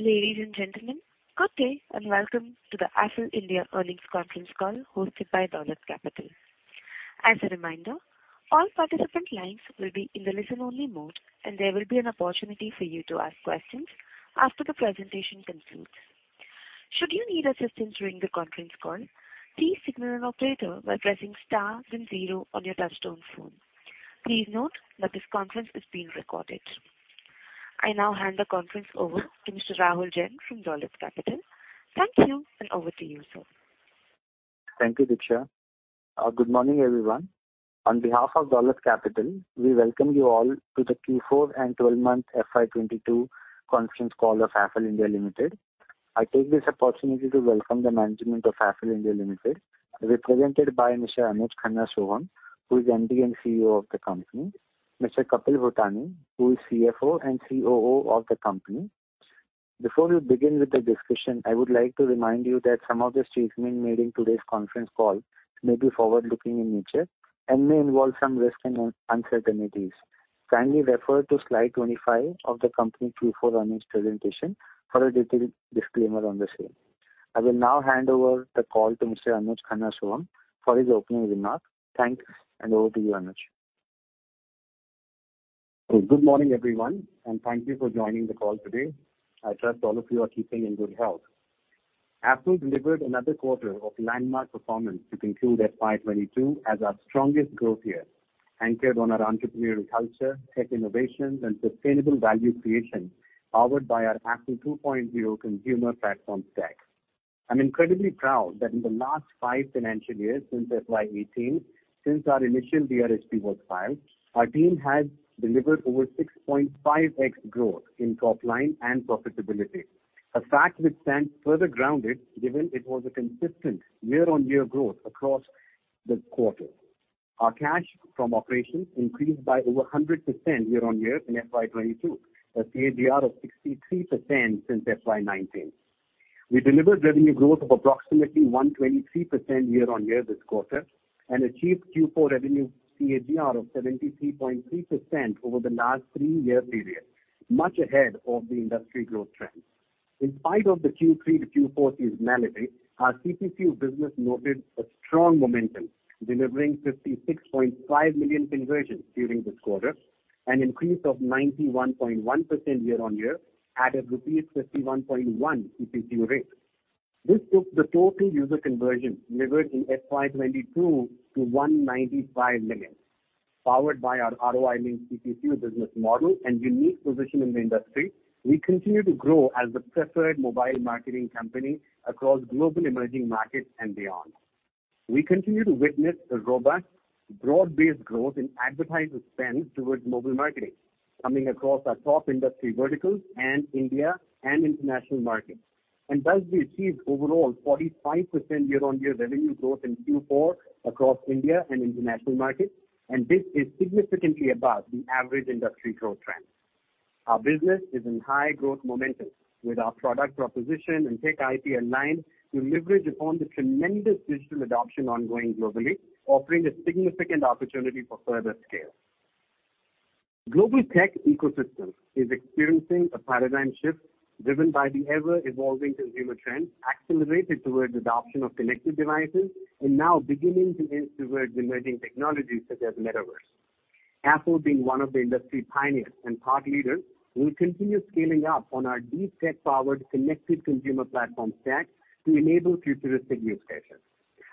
Ladies and gentlemen, good day, and welcome to the Affle India Earnings conference call hosted by Dolat Capital. As a reminder, all participant lines will be in the listen-only mode, and there will be an opportunity for you to ask questions after the presentation concludes. Should you need assistance during the conference call, please signal an operator by pressing star then zero on your touchtone phone. Please note that this conference is being recorded. I now hand the conference over to Mr. Rahul Jain from Dolat Capital. Thank you, and over to you, sir. Thank you, Diksha. Good morning, everyone. On behalf of Dolat Capital, we welcome you all to the Q4 and 12-month FY 2022 conference call of Affle (India) Limited. I take this opportunity to welcome the management of Affle (India) Limited, represented by Mr. Anuj Khanna Sohum, who is MD & CEO of the company. Mr. Kapil Bhutani, who is CFO and COO of the company. Before we begin with the discussion, I would like to remind you that some of the statements made in today's conference call may be forward-looking in nature and may involve some risks and uncertainties. Kindly refer to slide 25 of the company Q4 earnings presentation for a detailed disclaimer on the same. I will now hand over the call to Mr. Anuj Khanna Sohum for his opening remarks. Thanks, and over to you, Anuj. Good morning, everyone, and thank you for joining the call today. I trust all of you are keeping in good health. Affle delivered another quarter of landmark performance to conclude FY 2022 as our strongest growth year, anchored on our entrepreneurial culture, tech innovations and sustainable value creation, powered by our Affle 2.0 consumer platform stack. I'm incredibly proud that in the last five financial years since FY 2018, since our initial DRHP was filed, our team has delivered over 6.5x growth in top line and profitability, a fact which stands further grounded, given it was a consistent YoY growth across the quarter. Our cash from operations increased by over 100% year-on-year in FY 2022, a CAGR of 63% since FY 2019. We delivered revenue growth of approximately 123% year-on-year this quarter, and achieved Q4 revenue CAGR of 73.3% over the last three-year period, much ahead of the industry growth trend. In spite of the Q3 to Q4 seasonality, our CPCU business noted a strong momentum, delivering 56.5 million conversions during this quarter, an increase of 91.1% year-on-year at an rupees 51.1 CPCU rate. This took the total user conversion delivered in FY 2022 to 195 million. Powered by our ROI-linked CPCU business model and unique position in the industry, we continue to grow as the preferred mobile marketing company across global emerging markets and beyond. We continue to witness a robust, broad-based growth in advertiser spend towards mobile marketing, coming across our top industry verticals and India and international markets. Thus we achieved overall 45% year-on-year revenue growth in Q4 across India and international markets, and this is significantly above the average industry growth trend. Our business is in high growth momentum with our product proposition and tech IP aligned to leverage upon the tremendous digital adoption ongoing globally, offering a significant opportunity for further scale. Global tech ecosystem is experiencing a paradigm shift driven by the ever-evolving consumer trends, accelerated towards adoption of connected devices and now beginning to lean towards emerging technologies such as Metaverse. Affle being one of the industry pioneers and thought leaders, we'll continue scaling up on our deep tech-powered connected consumer platform stack to enable futuristic use cases.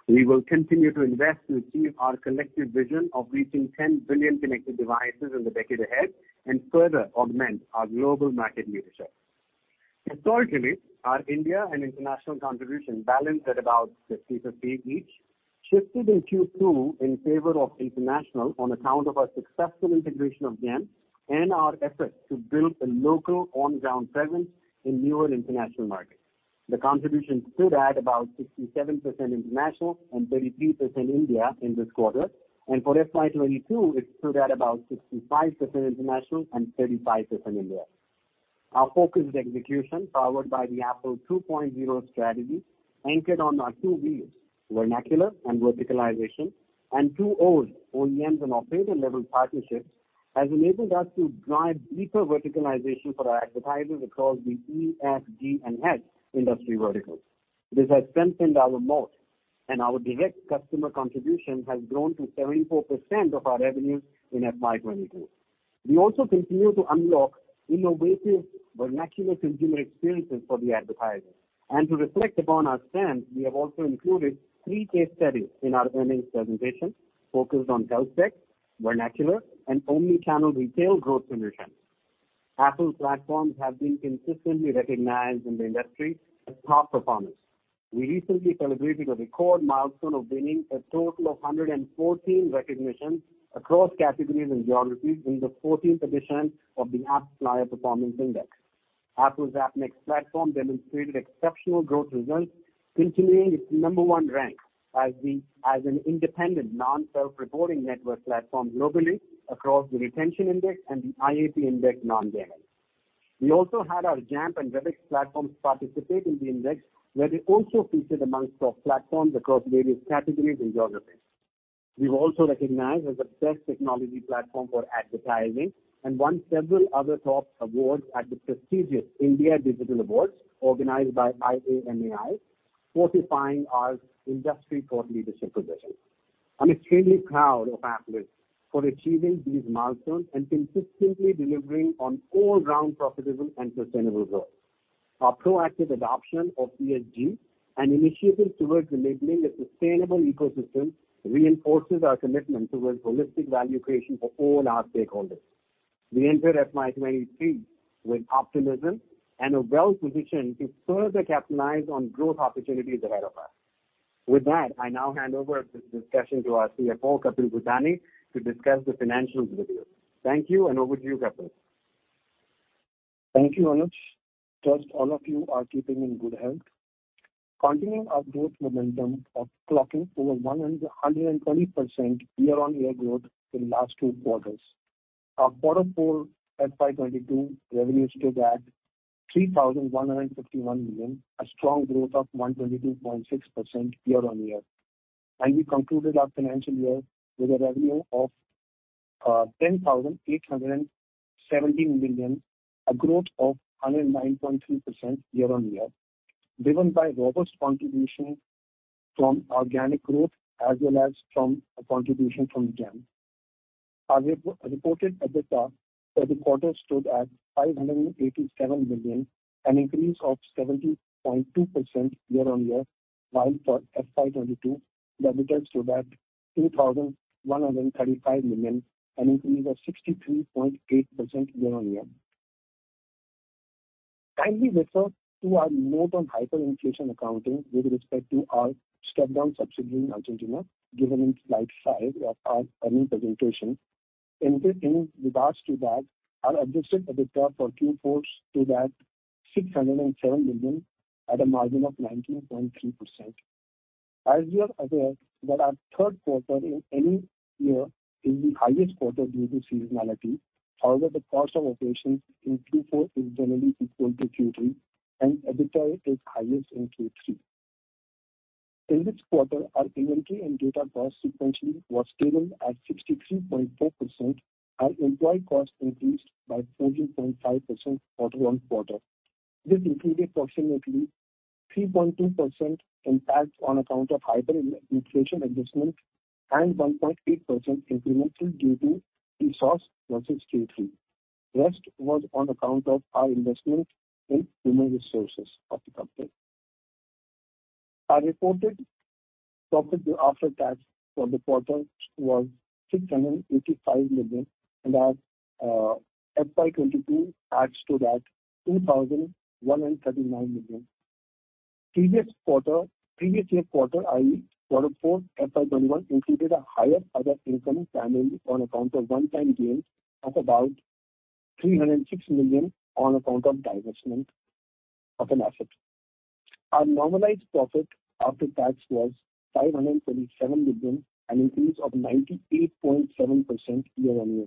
We will continue to invest to achieve our collective vision of reaching 10 billion connected devices in the decade ahead and further augment our global market leadership. Historically, our India and international contribution balanced at about 50-50 each, shifted in Q2 in favor of international on account of our successful integration of Jampp and our efforts to build a local on-ground presence in newer international markets. The contribution stood at about 67% international and 33% India in this quarter. For FY 2022, it stood at about 65% international and 35% India. Our focused execution, powered by the Affle 2.0 strategy, anchored on our two wheels, vernacular and verticalization, and two O's, OEMs and operator-level partnerships, has enabled us to drive deeper verticalization for our advertisers across the E, F, G, and H industry verticals. This has strengthened our moat, and our direct customer contribution has grown to 74% of our revenues in FY 2022. We also continue to unlock innovative vernacular consumer experiences for the advertisers. To reflect upon our strength, we have also included three case studies in our earnings presentation focused on health tech, vernacular, and omni-channel retail growth solutions. Affle platforms have been consistently recognized in the industry as top performers. We recently celebrated a record milestone of winning a total of 114 recognitions across categories and geographies in the fourteenth edition of the AppsFlyer Performance Index. Affle's Appnext platform demonstrated exceptional growth results, continuing its number one rank as an independent non-self-reporting network platform globally across the retention index and the IAP index non-gaming. We also had our Jampp and RevX platforms participate in the index, where they also featured amongst top platforms across various categories and geographies. We were also recognized as the best technology platform for advertising and won several other top awards at the prestigious India Digital Awards organized by IAMAI, fortifying our industry thought leadership position. I'm extremely proud of Afflers for achieving these milestones and consistently delivering on all-around profitable and sustainable growth. Our proactive adoption of ESG and initiatives towards enabling a sustainable ecosystem reinforces our commitment towards holistic value creation for all our stakeholders. We enter FY 2023 with optimism and are well-positioned to further capitalize on growth opportunities ahead of us. With that, I now hand over this discussion to our CFO, Kapil Bhutani, to discuss the financials with you. Thank you, and over to you, Kapil. Thank you, Anuj. Trust all of you are keeping in good health. Continuing our growth momentum of clocking over 120% year-on-year growth in last two quarters. Our quarter four FY 2022 revenues stood at 3,151 million, a strong growth of 122.6% YoY. We concluded our financial year with a revenue of 10,870 million, a growth of 109.3% year-on-year, driven by robust contribution from organic growth as well as from contribution from Jampp. Our reported EBITDA for the quarter stood at 587 million, an increase of 70.2% year-on-year, while for FY 2022, the EBITDA stood at INR 2,135 million, an increase of 63.8% year-on-year. Kindly refer to our note on hyperinflation accounting with respect to our step-down subsidiary in Argentina, given in slide five of our earnings presentation. In regards to that, our adjusted EBITDA for Q4 stood at 607 million at a margin of 19.3%. As you are aware, that our third quarter in any year is the highest quarter due to seasonality. However, the cost of operations in Q4 is generally equal to Q3, and EBITDA is highest in Q3. In this quarter, our inventory and data costs sequentially was stable at 63.4%. Our employee costs increased by 14.5% quarter-on-quarter. This included approximately 3.2% impact on account of hyperinflation adjustment and 1.8% incremental due to resources versus Q3. Rest was on account of our investment in human resources of the company. Our reported profit after tax for the quarter was 685 million, and our FY 2022 adds to that 2,139 million. Previous year quarter, i.e., quarter four FY 2021, included a higher other income primarily on account of one-time gains of about 306 million on account of divestment of an asset. Our normalized profit after tax was 537 million, an increase of 98.7% year-on-year,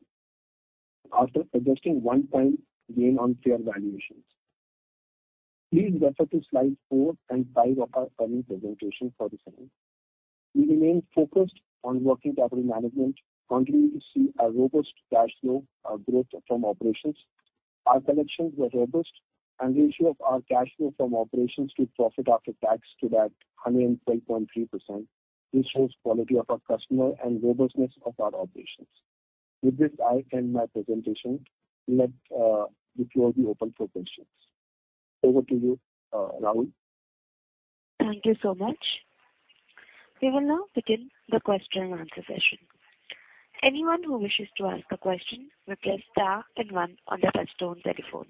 after adjusting one-time gain on fair valuations. Please refer to slide four and five of our earnings presentation for the same. We remain focused on working capital management, continuing to see a robust cash flow growth from operations. Our collections were robust, and the ratio of our cash flow from operations to profit after tax stood at 112.3%. This shows quality of our customer and robustness of our operations. With this, I end my presentation. Let the floor be open for questions. Over to you, Rahul. Thank you so much. We will now begin the question and answer session. Anyone who wishes to ask a question will press star and one on their touchtone telephone.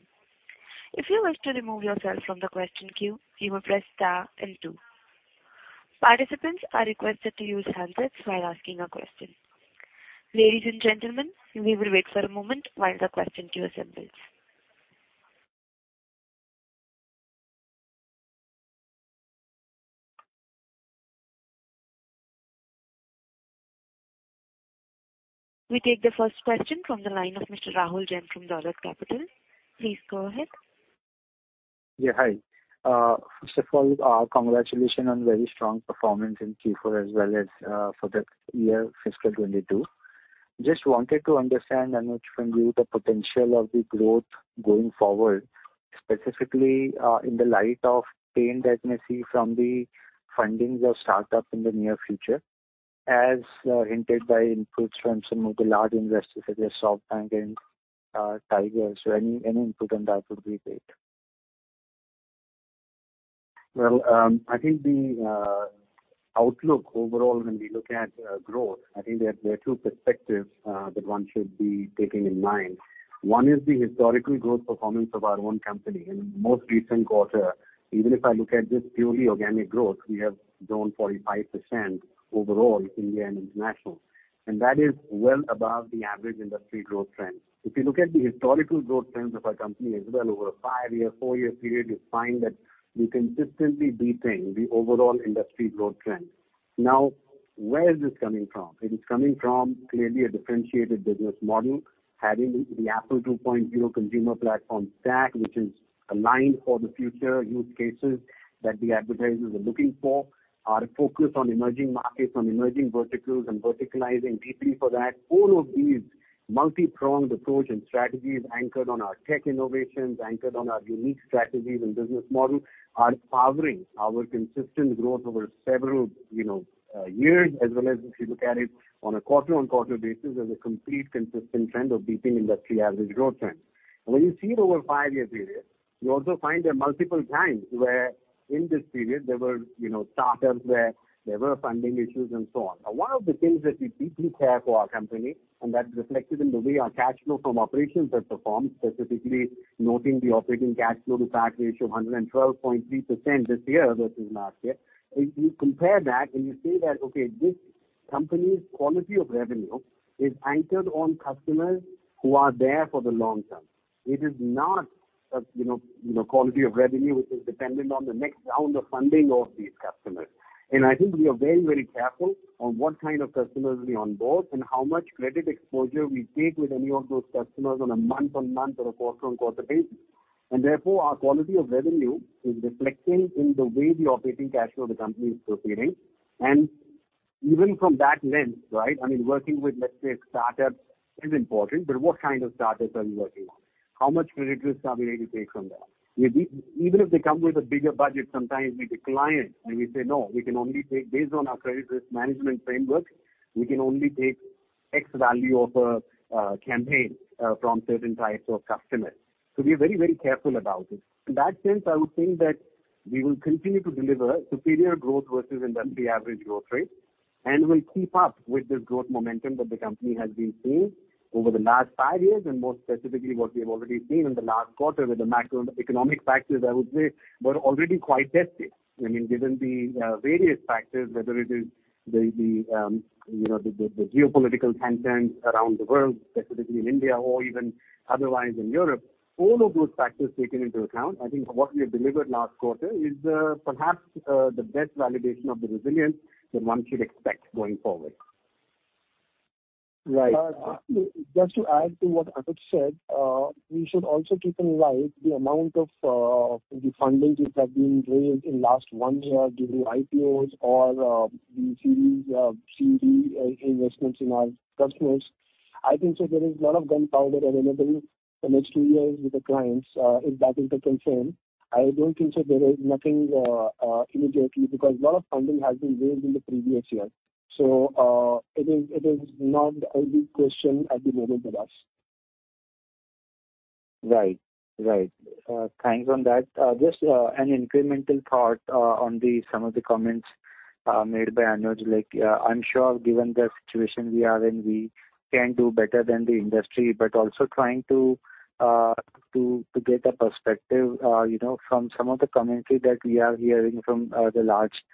If you wish to remove yourself from the question queue, you will press star and two. Participants are requested to use handsets while asking a question. Ladies and gentlemen, we will wait for a moment while the question queue assembles. We take the first question from the line of Mr. Rahul Jain from Dolat Capital, please go ahead. Yeah, hi. First of all, congratulations on very strong performance in Q4 as well as for the year fiscal 2022. Just wanted to understand, Anuj, from you the potential of the growth going forward, specifically in the light of pain that you may see from the funding of startups in the near future, as hinted by inputs from some of the large investors such as SoftBank and Tiger Global. Any input on that would be great. Well, I think the outlook overall when we look at growth, I think there are two perspectives that one should be taking in mind. One is the historical growth performance of our own company. In most recent quarter, even if I look at just purely organic growth, we have grown 45% overall, India and international. That is well above the average industry growth trend. If you look at the historical growth trends of our company as well over a five-year, four-year period, you'll find that we're consistently beating the overall industry growth trend. Now, where is this coming from? It is coming from clearly a differentiated business model, having the Affle 2.0 Consumer Platform Stack, which is aligned for the future use cases that the advertisers are looking for. Our focus on emerging markets, on emerging verticals, and verticalizing deeply for that. All of these multi-pronged approach and strategies anchored on our tech innovations, anchored on our unique strategies and business model, are powering our consistent growth over several, you know, years as well as if you look at it on a quarter-on-quarter basis as a complete consistent trend of beating industry average growth trend. When you see it over a five-year period. You also find there are multiple times where in this period there were, you know, startups where there were funding issues and so on. Now, one of the things that we deeply care for our company, and that's reflected in the way our cash flow from operations has performed, specifically noting the operating cash flow to CAC ratio of 112.3% this year versus last year. If you compare that and you say that, okay, this company's quality of revenue is anchored on customers who are there for the long term. It is not, you know, quality of revenue which is dependent on the next round of funding of these customers. I think we are very, very careful on what kind of customers we onboard and how much credit exposure we take with any of those customers on a month-over-month or quarter-over-quarter basis. Therefore, our quality of revenue is reflecting in the way the operating cash flow of the company is proceeding. Even from that lens, right? I mean, working with, let's say, startups is important, but what kind of startups are you working on? How much credit risk are we ready to take from there? Even if they come with a bigger budget, sometimes we decline and we say, "No, we can only take based on our credit risk management framework, we can only take X value of a campaign from certain types of customers." We are very, very careful about it. In that sense, I would think that we will continue to deliver superior growth versus industry average growth rate, and we'll keep up with the growth momentum that the company has been seeing over the last five years, and more specifically what we have already seen in the last quarter, where the macroeconomic factors, I would say, were already quite tested. I mean, given the various factors, whether it is the geopolitical tensions around the world, specifically in India or even otherwise in Europe. All of those factors taken into account, I think what we have delivered last quarter is, perhaps, the best validation of the resilience that one should expect going forward. Right. Just to add to what Anuj said, we should also keep in mind the amount of the funding which have been raised in last one year due to IPOs or the Series C and D investments in our customers. I think so there is a lot of gunpowder available for next two years with the clients. If that is the concern, I don't think so there is nothing immediately because a lot of funding has been raised in the previous year. It is not a big question at the moment with us. Right. Thanks on that. Just an incremental thought on some of the comments made by Anuj. Like, I'm sure given the situation we are in, we can do better than the industry, but also trying to get a perspective, you know, from some of the commentary that we are hearing from the large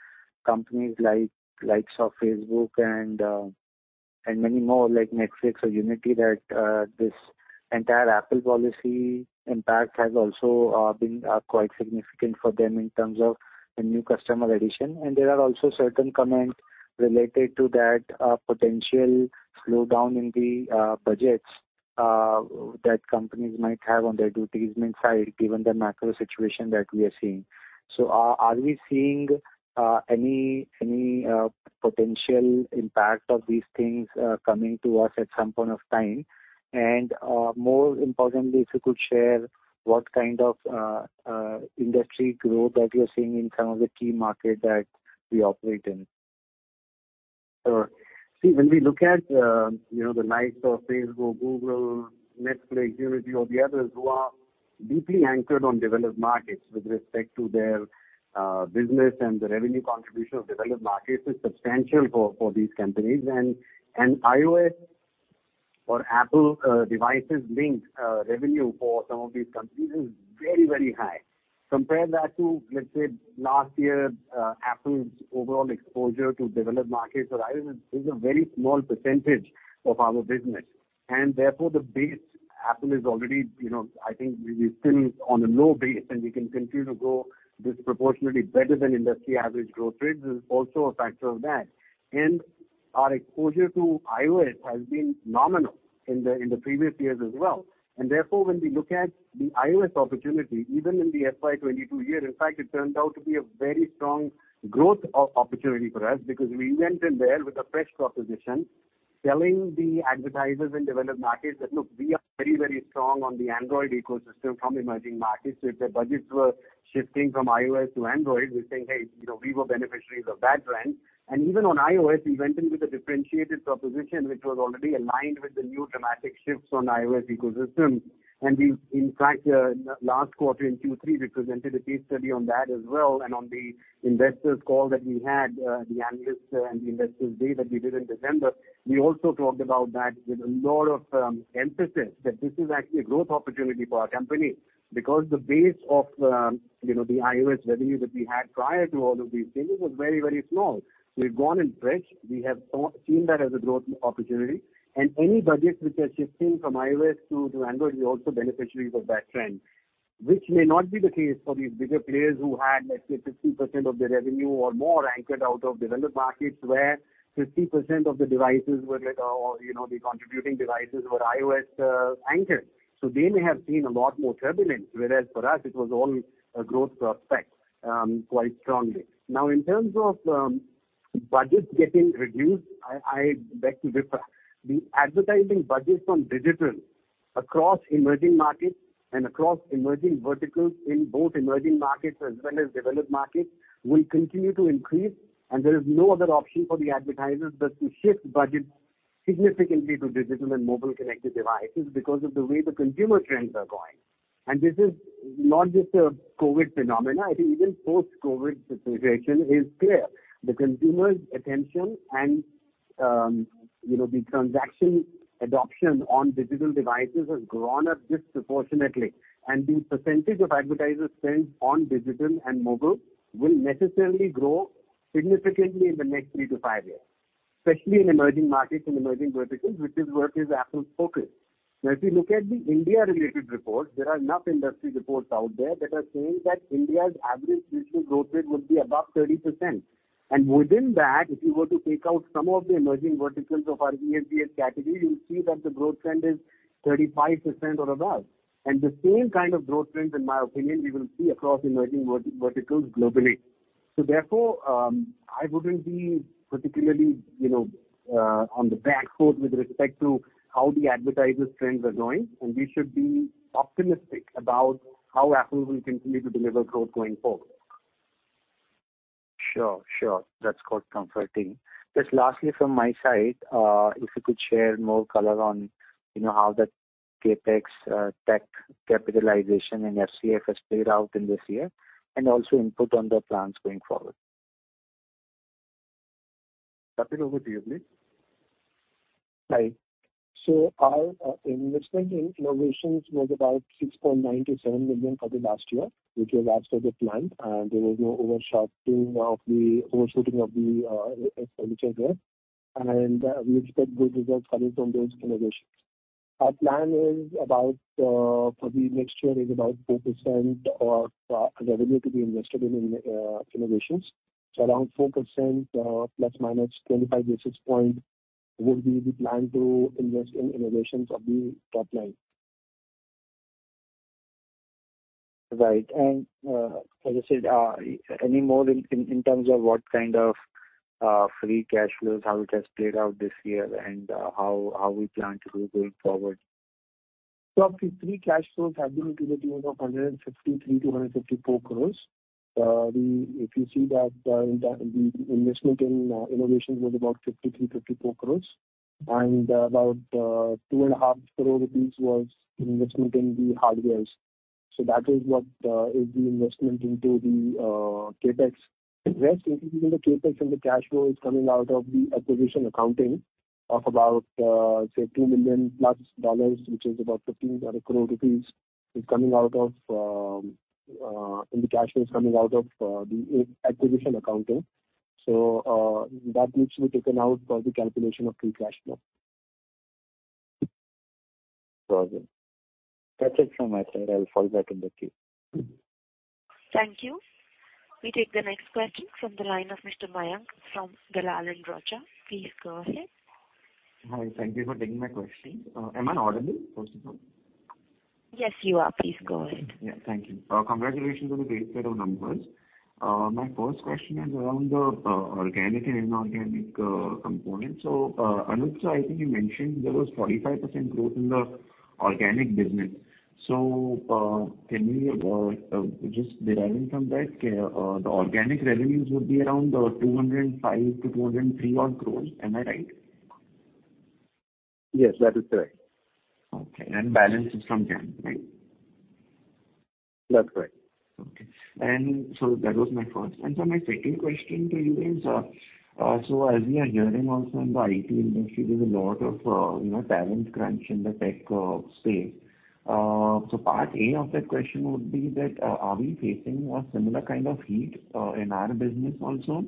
companies like the likes of Facebook and many more like Netflix or Unity that this entire Apple policy impact has also been quite significant for them in terms of the new customer addition. There are also certain comments related to that potential slowdown in the budgets that companies might have on their ad spends given the macro situation that we are seeing. Are we seeing any potential impact of these things coming to us at some point of time? More importantly, if you could share what kind of industry growth that you're seeing in some of the key markets that we operate in. See, when we look at, you know, the likes of Facebook, Google, Netflix, Unity or the others who are deeply anchored on developed markets with respect to their business and the revenue contribution of developed markets is substantial for these companies. iOS or Apple device-linked revenue for some of these companies is very, very high. Compare that to, let's say, last year, Apple's overall exposure to developed markets or iOS is a very small percentage of our business, and therefore the base effect is already, you know, I think we still on a low base, and we can continue to grow disproportionately better than industry average growth rates is also a factor of that. Our exposure to iOS has been nominal in the previous years as well. Therefore, when we look at the iOS opportunity, even in the FY 2022 year, in fact, it turned out to be a very strong growth opportunity for us because we went in there with a fresh proposition, telling the advertisers in developed markets that, "Look, we are very, very strong on the Android ecosystem from emerging markets." So if their budgets were shifting from iOS to Android, we're saying, "Hey, you know, we were beneficiaries of that trend." Even on iOS, we went in with a differentiated proposition which was already aligned with the new dramatic shifts on iOS ecosystem. In fact, last quarter in Q3, we presented a case study on that as well. On the investors call that we had, the analysts and the investors day that we did in December, we also talked about that with a lot of emphasis that this is actually a growth opportunity for our company because the base of, you know, the iOS revenue that we had prior to all of these things was very, very small. So we've gone in fresh. We have seen that as a growth opportunity. Any budgets which are shifting from iOS to Android, we're also beneficiaries of that trend, which may not be the case for these bigger players who had, let's say, 50% of their revenue or more anchored out of developed markets where 50% of the devices were like or you know the contributing devices were iOS anchored. They may have seen a lot more turbulence, whereas for us it was all a growth prospect, quite strongly. Now, in terms of budgets getting reduced, I beg to differ. The advertising budgets on digital across emerging markets and across emerging verticals in both emerging markets as well as developed markets will continue to increase. There is no other option for the advertisers but to shift budgets significantly to digital and mobile connected devices because of the way the consumer trends are going. This is not just a COVID phenomena. I think even post-COVID situation is clear. The consumer's attention and, you know, the transaction adoption on digital devices has grown up disproportionately. The percentage of advertiser spend on digital and mobile will necessarily grow significantly in the next three to five years, especially in emerging markets and emerging verticals, which is where Affle's focus. Now, if you look at the India-related reports, there are enough industry reports out there that are saying that India's average digital growth rate would be above 30%. Within that, if you were to take out some of the emerging verticals of our E, F, G, and H category, you'll see that the growth trend is 35% or above. The same kind of growth trends, in my opinion, we will see across emerging verticals globally. Therefore, I wouldn't be particularly on the back foot with respect to how the advertiser trends are going, and we should be optimistic about how Affle will continue to deliver growth going forward. Sure. Sure. That's quite comforting. Just lastly from my side, if you could share more color on, you know, how the CapEx, tech capitalization and FCF has played out in this year, and also input on the plans going forward. Kapil, over to you, please. Right. Our investment in innovations was about 6.9-7 million for the last year, which was as per the plan. There was no overshooting of the expenditure there. We expect good results coming from those innovations. Our plan for the next year is about 4% of revenue to be invested in innovations. Around 4% ±25 basis points would be the plan to invest in innovations of the top line. Right. As I said, any more in terms of what kind of free cash flows, how it has played out this year and how we plan to do going forward? Our free cash flows have been to the tune of 153-154 crores. If you see that, in the investment in innovations was about 53-54 crores and about 2.5 crore rupees was investment in the hardware. That is what is the investment into the CapEx. Investment into the CapEx and the cash flow is coming out of the acquisition accounting of about, say, $2 million+, which is about 15 crore rupees and the cash flow is coming out of the acquisition accounting. That needs to be taken out for the calculation of free cash flow. Got it. That's it from my side. I'll fall back on the queue. Thank you. We take the next question from the line of Mr. Mayank Babla from Dalal & Broacha. Please go ahead. Hi, thank you for taking my question. Am I audible, first of all? Yes, you are. Please go ahead. Yeah. Thank you. Congratulations on the great set of numbers. My first question is around the organic and inorganic components. Anuj, sir, I think you mentioned there was 45% growth in the organic business. Can we just derive from that, the organic revenues would be around 205 crore-203 crore odd. Am I right? Yes, that is correct. Okay. Balance is from CAN, right? That's right. Okay. That was my first. My second question to you is, so as we are hearing also in the IT industry, there's a lot of, you know, talent crunch in the tech space. So part A of that question would be that, are we facing a similar kind of heat in our business also?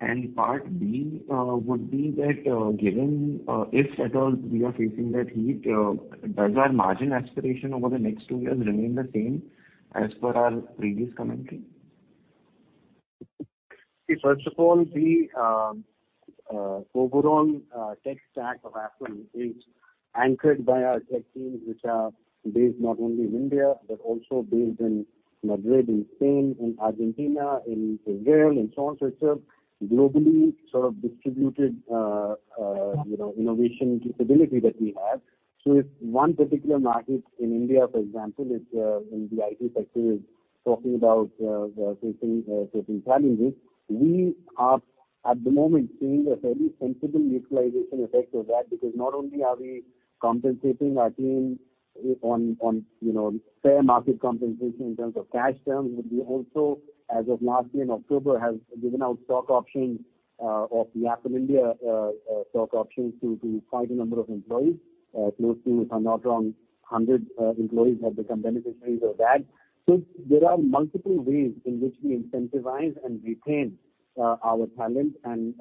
And part B would be that, given, if at all we are facing that heat, does our margin aspiration over the next two years remain the same as per our previous commentary? See, first of all, the overall tech stack of Affle is anchored by our tech teams, which are based not only in India but also based in Madrid, in Spain, in Argentina, in Israel, and so on and so forth. Globally, sort of distributed, you know, innovation capability that we have. If one particular market in India, for example, is in the IT sector, is talking about facing challenges, we are at the moment seeing a very sensible utilization effect of that. Because not only are we compensating our teams on, you know, fair market compensation in terms of cash terms, but we also, as of last year in October, have given out stock options of the Affle India stock options to quite a number of employees. Close to, if I'm not wrong, 100 employees have become beneficiaries of that. There are multiple ways in which we incentivize and retain our talent and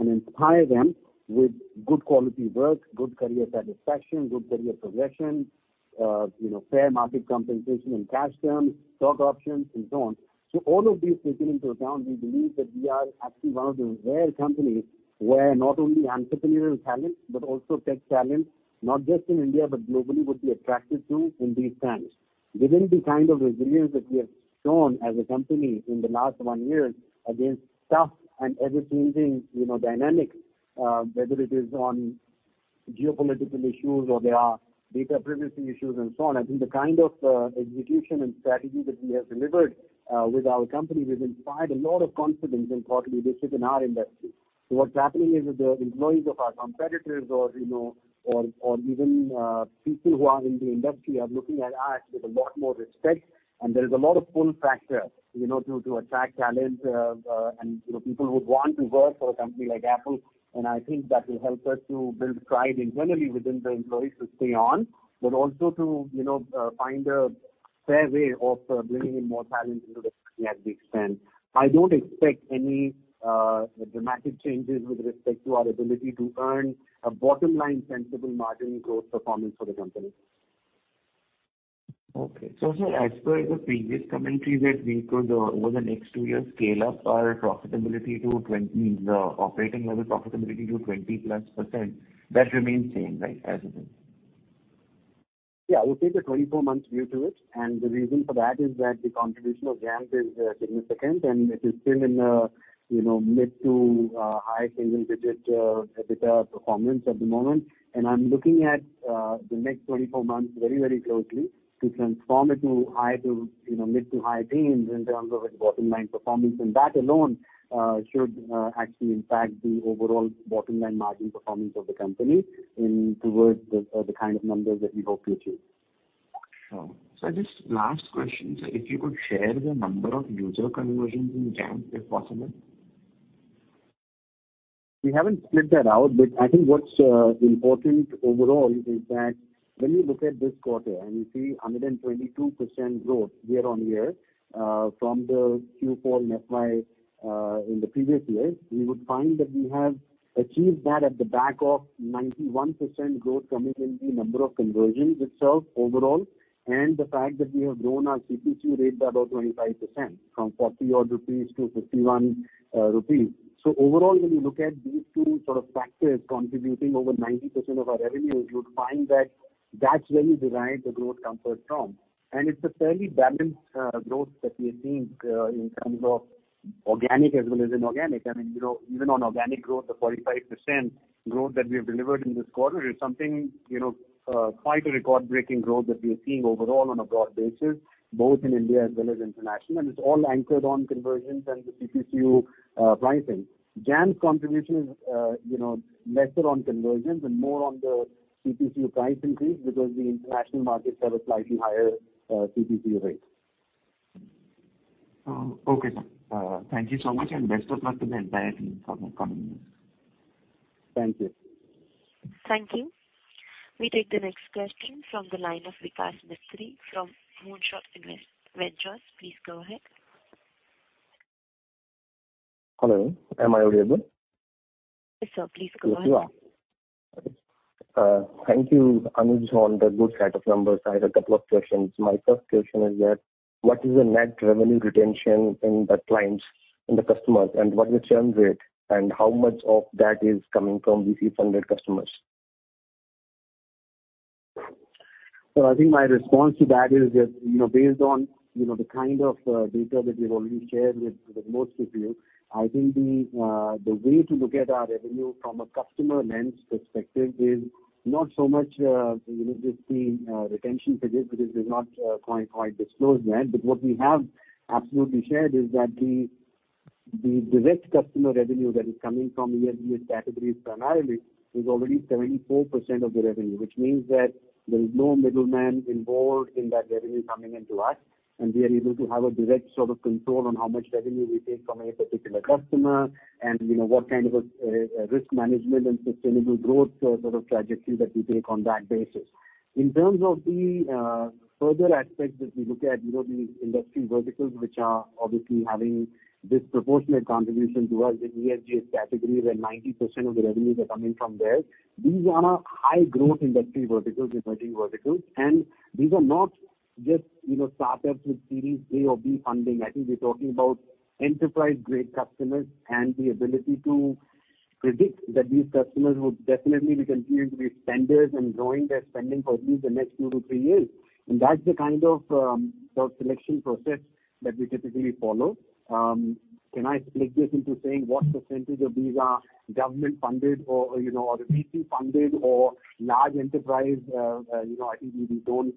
inspire them with good quality work, good career satisfaction, good career progression, you know, fair market compensation in cash terms, stock options and so on. All of these taking into account, we believe that we are actually one of the rare companies where not only entrepreneurial talent but also tech talent, not just in India, but globally, would be attracted to in these times. Given the kind of resilience that we have shown as a company in the last one year against tough and ever-changing, you know, dynamics, whether it is on geopolitical issues or there are data privacy issues and so on. I think the kind of execution and strategy that we have delivered with our company has inspired a lot of confidence. Importantly, this is in our industry. What's happening is that the employees of our competitors or, you know, even people who are in the industry are looking at us with a lot more respect. There is a lot of pull factor, you know, to attract talent. You know, people would want to work for a company like Apple, and I think that will help us to build pride internally within the employees to stay on. Also to, you know, find a fair way of bringing in more talent into the company as we expand. I don't expect any dramatic changes with respect to our ability to earn a bottom-line sensible margin growth performance for the company. Okay. Sir, as per the previous commentary that we could, over the next two years, scale up our operating level profitability to 20+%. That remains same, right? As it is. Yeah, I would take a 24-month view to it, and the reason for that is that the contribution of Jampp is significant, and it is still in a, you know, mid- to high-single-digit% EBITDA performance at the moment. I'm looking at the next 24 months very, very closely to transform it to high- to, you know, mid- to high-teens% in terms of its bottom line performance. That alone should actually impact the overall bottom-line margin performance of the company into the kind of numbers that we hope to achieve. Sure. Just last question, sir. If you could share the number of user conversions in Jampp, if possible. We haven't split that out, but I think what's important overall is that when you look at this quarter and you see 122% growth year-on-year from the Q4 FY in the previous year, we would find that we have achieved that at the back of 91% growth coming in the number of conversions itself overall. The fact that we have grown our CPCU rate by about 25%, from 40-odd rupees to 51 rupees. Overall, when you look at these two sort of factors contributing over 90% of our revenues, you'd find that that's where we derive the growth comfort from. It's a fairly balanced growth that we are seeing in terms of organic as well as inorganic. I mean, you know, even on organic growth of 45% growth that we have delivered in this quarter is something, you know, quite a record-breaking growth that we are seeing overall on a broad basis, both in India as well as international. It's all anchored on conversions and the CPCU pricing. Jampp's contribution is, you know, lesser on conversions and more on the CPCU price increase because the international markets have a slightly higher CPCU rate. Oh, okay, sir. Thank you so much, and best of luck to the entire team for the coming years. Thank you. Thank you. We take the next question from the line of Vikas Mistry from Moonshot Ventures. Please go ahead. Hello, am I audible? Yes, sir. Please go ahead. Yes, you are. Thank you, Anuj, on the good set of numbers. I have a couple of questions. My first question is that what is the net revenue retention in the clients and the customers, and what's the churn rate, and how much of that is coming from VC-funded customers? I think my response to that is that, you know, based on, you know, the kind of data that we've already shared with most of you. I think the way to look at our revenue from a customer lens perspective is not so much, you know, just the retention percentage, because we've not quite disclosed that. What we have absolutely shared is that the direct customer revenue that is coming from ESG categories primarily is already 74% of the revenue. Which means that there is no middleman involved in that revenue coming into us, and we are able to have a direct sort of control on how much revenue we take from a particular customer and, you know, what kind of a risk management and sustainable growth sort of trajectory that we take on that basis. In terms of the further aspect that we look at, you know, the industry verticals, which are obviously having disproportionate contribution to us in ESG category, where 90% of the revenues are coming from there. These are our high growth industry verticals, emerging verticals. These are not just, you know, startups with series A or B funding. I think we're talking about enterprise-grade customers and the ability to predict that these customers would definitely be continuing to be spenders and growing their spending for at least the next two to three years. That's the kind of self-selection process that we typically follow. Can I split this into saying what percentage of these are government funded or, you know, or VC funded or large enterprise? You know, I think we don't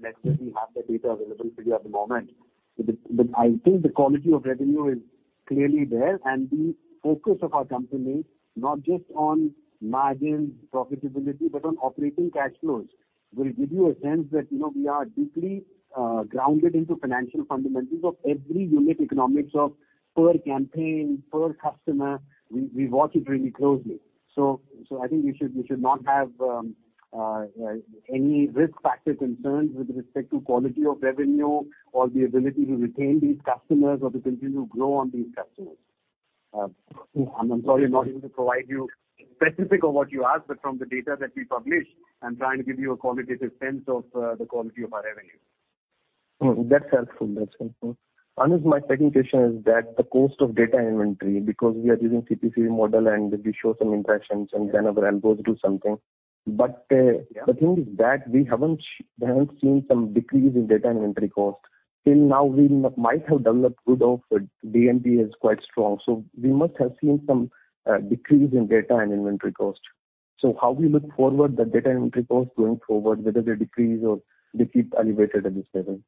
necessarily have the data available for you at the moment. I think the quality of revenue is clearly there, and the focus of our company is not just on margin profitability, but on operating cash flows will give you a sense that, you know, we are deeply grounded into financial fundamentals of every unit economics of per campaign, per customer. We watch it really closely. I think you should not have any risk factor concerns with respect to quality of revenue or the ability to retain these customers or to continue to grow on these customers. I'm sorry I'm not able to provide you specifics of what you asked, but from the data that we publish, I'm trying to give you a qualitative sense of the quality of our revenue. That's helpful. Anuj, my second question is that the cost of data inventory, because we are using CPCU model and we show some impressions and then our algos do something. Yeah. The thing is that we haven't seen some decrease in data inventory cost. Till now, we might have done that good of, but DMB is quite strong. We must have seen some decrease in data and inventory cost. How we look forward the data inventory cost going forward, whether they decrease or they keep elevated at this level?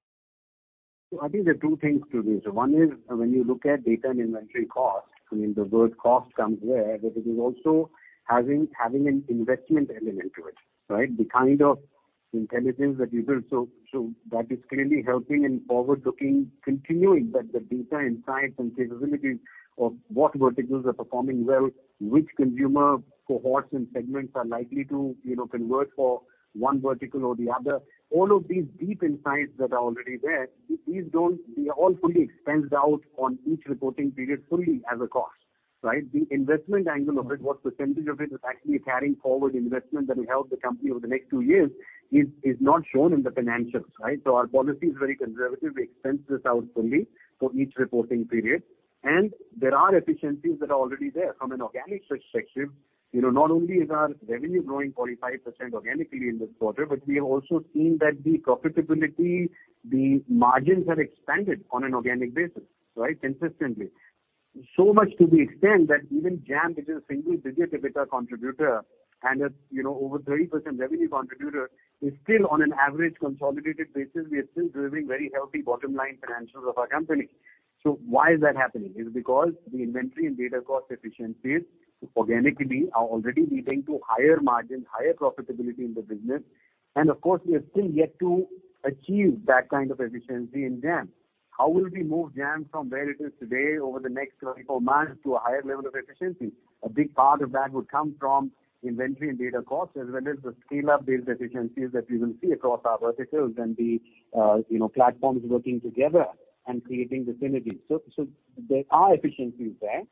I think there are two things to this. One is when you look at data and inventory cost, I mean, the word cost comes where, but it is also having an investment element to it, right? The kind of intelligence that you build. That is clearly helping and forward-looking, continuing that the data, insights, and capabilities of what verticals are performing well, which consumer cohorts and segments are likely to, you know, convert for one vertical or the other. All of these deep insights that are already there, these don't. They are all fully expensed out on each reporting period fully as a cost, right? The investment angle of it, what percentage of it is actually carrying forward investment that will help the company over the next two years is not shown in the financials, right? Our policy is very conservative. We expense this out fully for each reporting period. There are efficiencies that are already there. From an organic perspective, you know, not only is our revenue growing 45% organically in this quarter, but we have also seen that the profitability, the margins have expanded on an organic basis, right? Consistently. Much to the extent that even Jampp, which is a single-digit EBITDA contributor and a, you know, over 30% revenue contributor, is still on an average consolidated basis, we are still driving very healthy bottom line financials of our company. Why is that happening? It's because the inventory and data cost efficiencies organically are already leading to higher margins, higher profitability in the business. Of course, we are still yet to achieve that kind of efficiency in Jampp. How will we move Jampp from where it is today over the next 24 months to a higher level of efficiency? A big part of that would come from inventory and data costs, as well as the scale-up-based efficiencies that we will see across our verticals and the, you know, platforms working together and creating the synergies. There are efficiencies there,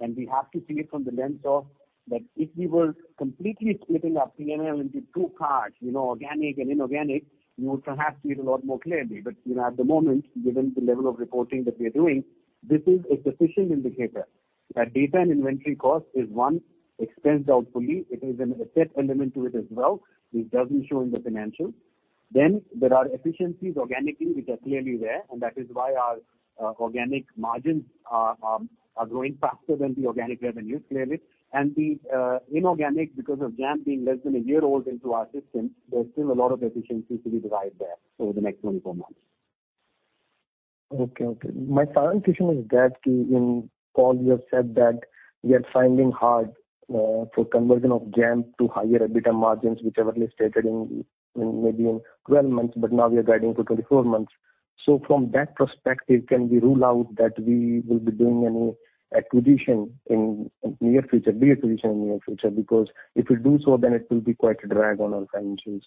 and we have to see it from the lens of that if we were completely splitting up PNL into two parts, you know, organic and inorganic, you would perhaps see it a lot more clearly. You know, at the moment, given the level of reporting that we're doing, this is a sufficient indicator that data and inventory cost is one, expensed out fully. It is an asset element to it as well. It doesn't show in the financials. There are efficiencies organically, which are clearly there, and that is why our organic margins are growing faster than the organic revenues, clearly. The inorganic, because of Jampp being less than a year old into our system, there's still a lot of efficiency to be derived there over the next 24 months. Okay. My clarification is that in call you have said that we are finding hard for conversion of Jampp to higher EBITDA margins, which are listed in maybe 12 months, but now we are guiding for 24 months. From that perspective, can we rule out that we will be doing any acquisition in near future, big acquisition in near future? Because if we do so, then it will be quite a drag on our financials.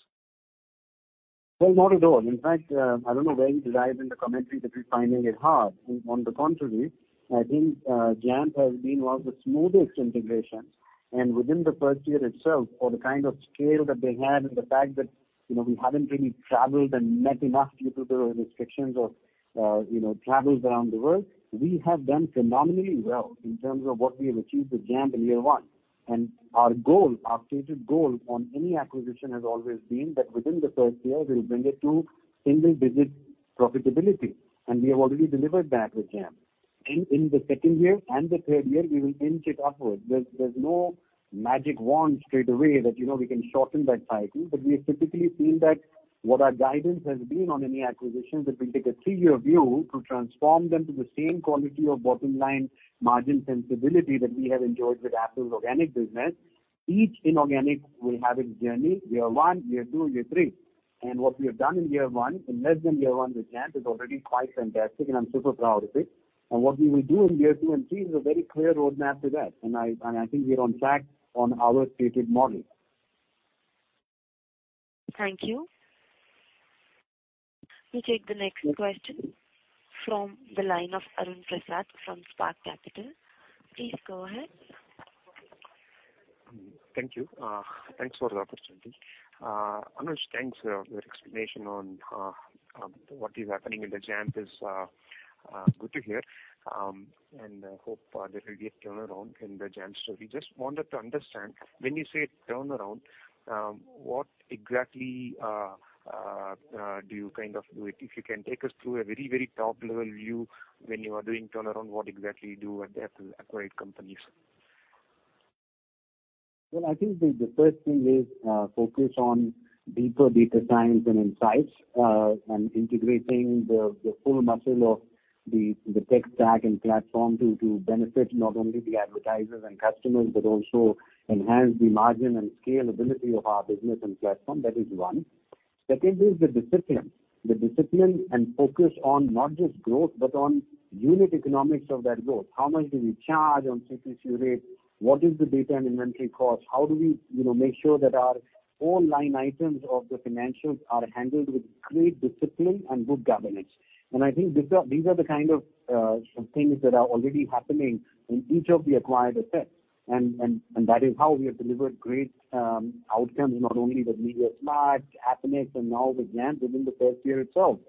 Well, not at all. In fact, I don't know where you derived from the commentary that we're finding it hard. On the contrary, I think, Jampp has been one of the smoothest integrations. Within the first year itself, for the kind of scale that they had and the fact that, you know, we haven't really traveled and met enough due to the restrictions of, you know, travels around the world, we have done phenomenally well in terms of what we have achieved with Jampp in year one. Our goal, our stated goal on any acquisition has always been that within the first year we'll bring it to single-digit profitability, and we have already delivered that with Jampp. In the second year and the third year, we will inch it upward. There's no magic wand straightaway that, you know, we can shorten that cycle. We have typically seen that what our guidance has been on any acquisitions, that we'll take a three-year view to transform them to the same quality of bottom line margin sensibility that we have enjoyed with Affle's organic business. Each inorganic will have its journey, year one, year two, year three. What we have done in year one, in less than year one with Jampp is already quite fantastic, and I'm super proud of it. What we will do in year two and three is a very clear roadmap to that. I think we are on track on our stated model. Thank you. We'll take the next question from the line of Arun Prasad from Spark Capital. Please go ahead. Thank you. Thanks for the opportunity. Anuj, thanks for your explanation on what is happening in Jampp is good to hear, and hope there will be a turnaround in the Jampp story. Just wanted to understand, when you say turnaround, what exactly do you kind of do it? If you can take us through a very, very top level view when you are doing turnaround, what exactly you do at the acquired companies? Well, I think the first thing is focus on deeper data science and insights, and integrating the full muscle of the tech stack and platform to benefit not only the advertisers and customers, but also enhance the margin and scalability of our business and platform. That is one. Second is the discipline. The discipline and focus on not just growth, but on unit economics of that growth. How much do we charge on CPC rate? What is the data and inventory cost? How do we, you know, make sure that our all line items of the financials are handled with great discipline and good governance? I think these are the kind of things that are already happening in each of the acquired assets. That is how we have delivered great outcomes, not only with MediaSmart, Appnext, and now with Jampp within the first year itself.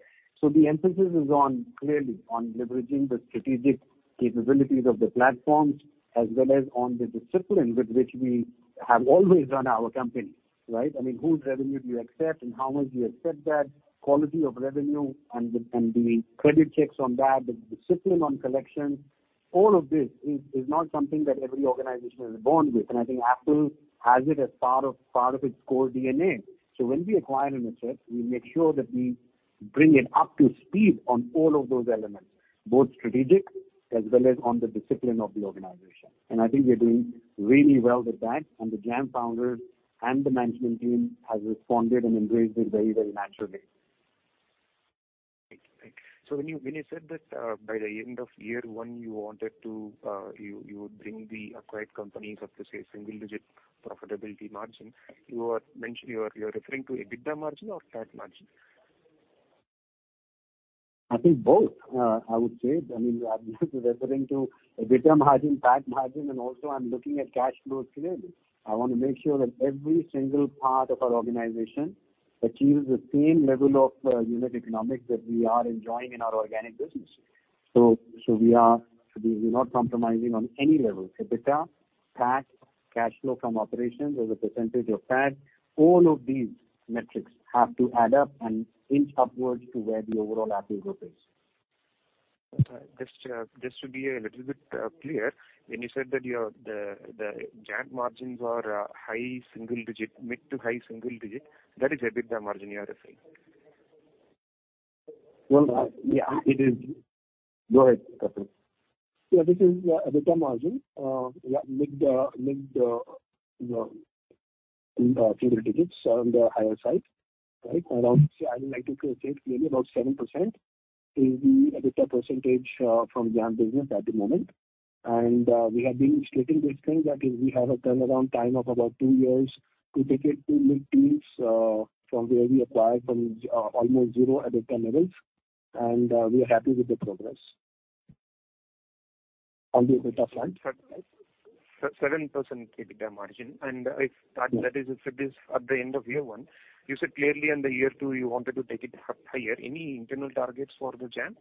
The emphasis is on clearly leveraging the strategic capabilities of the platforms, as well as on the discipline with which we have always run our company, right? I mean, which revenue do you accept and how much of that you accept, quality of revenue and the credit checks on that, the discipline on collections. All of this is not something that every organization is born with, and I think Affle has it as part of its core DNA. When we acquire an asset, we make sure that we bring it up to speed on all of those elements, both strategic as well as on the discipline of the organization. I think we're doing really well with that, and the Jampp founders and the management team has responded and embraced it very, very naturally. Thank you. When you said that, by the end of year one, you would bring the acquired companies up to, say, single-digit profitability margin, you are referring to EBITDA margin or PAT margin? I think both, I would say. I mean, referring to EBITDA margin, PAT margin, and also I'm looking at cash flow clearly. I wanna make sure that every single part of our organization achieves the same level of unit economics that we are enjoying in our organic business. We're not compromising on any level. EBITDA, PAT, cash flow from operations as a percentage of PAT, all of these metrics have to add up and inch upwards to where the overall Affle group is. Just to be a little bit clear, when you said that the Jampp margins are high single digit, mid-to-high single digit, that is EBITDA margin you are referring? Well, yeah, it is. Go ahead, Kapil. Yeah, this is EBITDA margin. Yeah, mid single digits on the higher side, right? Around, say, I would like to say it's maybe about 7% is the EBITDA percentage from Jampp business at the moment. We have been stating this thing that is, we have a turnaround time of about two years to take it to mid-teens from where we acquired from almost zero EBITDA levels, and we are happy with the progress. On the EBITDA front. 7% EBITDA margin, and if it is at the end of year one, you said clearly in the year two you wanted to take it higher. Any internal targets for the Jampp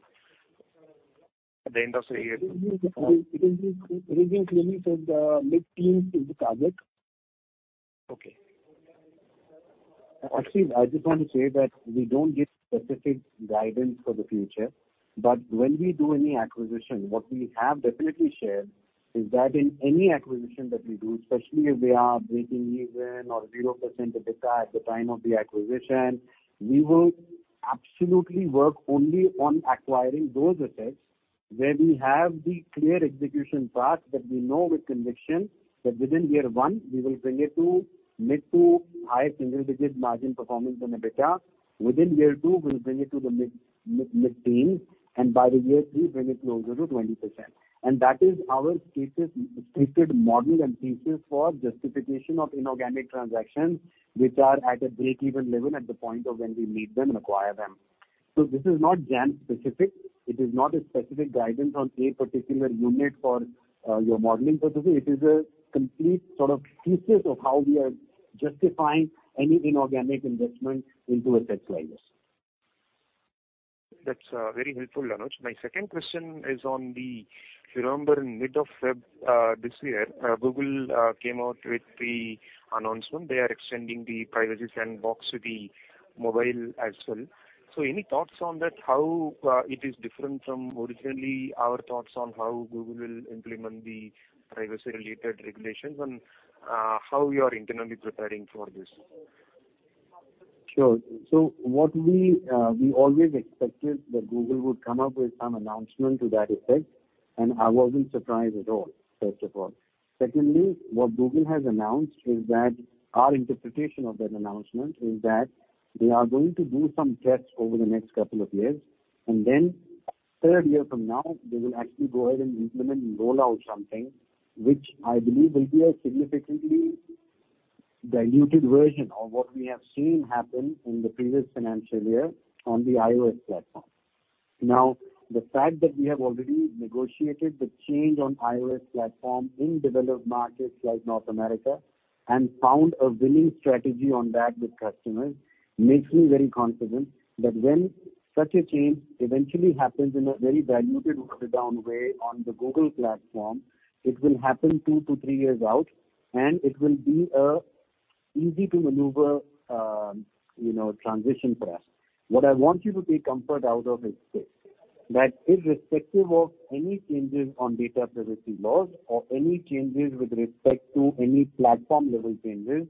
at the end of the year two? It has been. [Prateek] clearly said mid-teens is the target. Okay. Actually, I just want to say that we don't give specific guidance for the future, but when we do any acquisition, what we have definitely shared is that in any acquisition that we do, especially if they are breaking even or 0% EBITDA at the time of the acquisition, we will absolutely work only on acquiring those assets where we have the clear execution path that we know with conviction that within year one we will bring it to mid-to-high single digit margin performance on EBITDA. Within year two, we'll bring it to the mid-teens, and by the year three, bring it closer to 20%. That is our strictest model and thesis for justification of inorganic transactions which are at a break-even level at the point of when we meet them and acquire them. This is not Jampp specific. It is not a specific guidance on a particular unit for your modeling purpose. It is a complete sort of thesis of how we are justifying any inorganic investment into assets like this. That's very helpful, Anuj. My second question is if you remember mid-February this year, Google came out with the announcement. They are extending the Privacy Sandbox to the mobile as well. Any thoughts on that, how it is different from our original thoughts on how Google will implement the privacy-related regulations and how you are internally preparing for this? Sure. What we always expected that Google would come up with some announcement to that effect, and I wasn't surprised at all, first of all. Secondly, what Google has announced is that our interpretation of that announcement is that they are going to do some tests over the next couple of years, and then third year from now, they will actually go ahead and implement and roll out something which I believe will be a significantly diluted version of what we have seen happen in the previous financial year on the iOS platform. Now, the fact that we have already negotiated the change on iOS platform in developed markets like North America and found a winning strategy on that with customers makes me very confident that when such a change eventually happens in a very diluted watered-down way on the Google platform, it will happen two to three years out, and it will be a easy-to-maneuver, you know, transition for us. What I want you to take comfort out of is this: That irrespective of any changes on data privacy laws or any changes with respect to any platform level changes,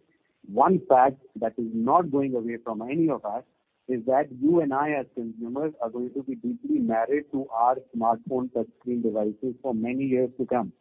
one fact that is not going away from any of us is that you and I as consumers are going to be deeply married to our smartphone touchscreen devices for many years to come.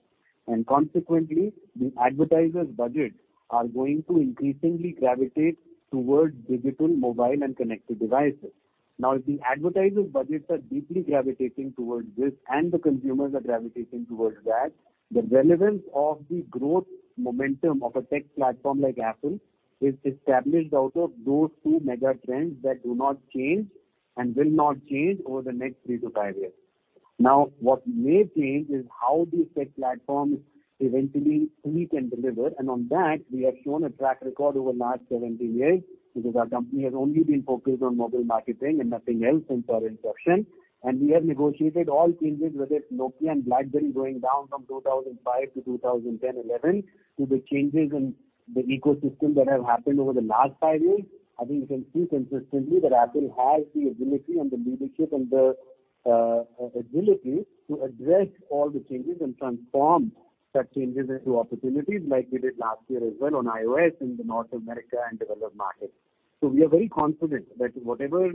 Consequently, the advertisers' budget are going to increasingly gravitate towards digital, mobile, and connected devices. Now, if the advertisers' budgets are deeply gravitating towards this and the consumers are gravitating towards that, the relevance of the growth momentum of a tech platform like Apple is established out of those two mega trends that do not change and will not change over the next three to five years. Now, what may change is how these tech platforms eventually tweak and deliver. On that, we have shown a track record over last 17 years, because our company has only been focused on mobile marketing and nothing else since our inception. We have negotiated all changes, whether it's Nokia and BlackBerry going down from 2005 to 2010, 2011, to the changes in the ecosystem that have happened over the last five years. I think you can see consistently that Apple has the agility and the leadership and the agility to address all the changes and transform such changes into opportunities like we did last year as well on iOS in North America and developed markets. We are very confident that whatever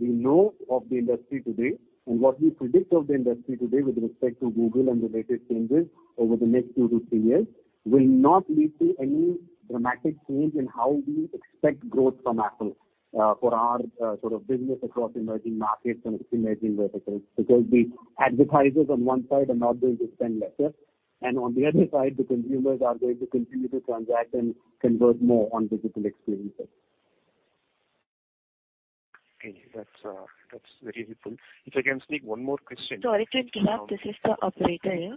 we know of the industry today and what we predict of the industry today with respect to Google and the latest changes over the next two to three years will not lead to any dramatic change in how we expect growth from Apple for our sort of business across emerging markets and emerging verticals. Because the advertisers on one side are not going to spend lesser, and on the other side, the consumers are going to continue to transact and convert more on digital experiences. Okay. That's very helpful. If I can sneak one more question. Sorry to interrupt. This is the operator here.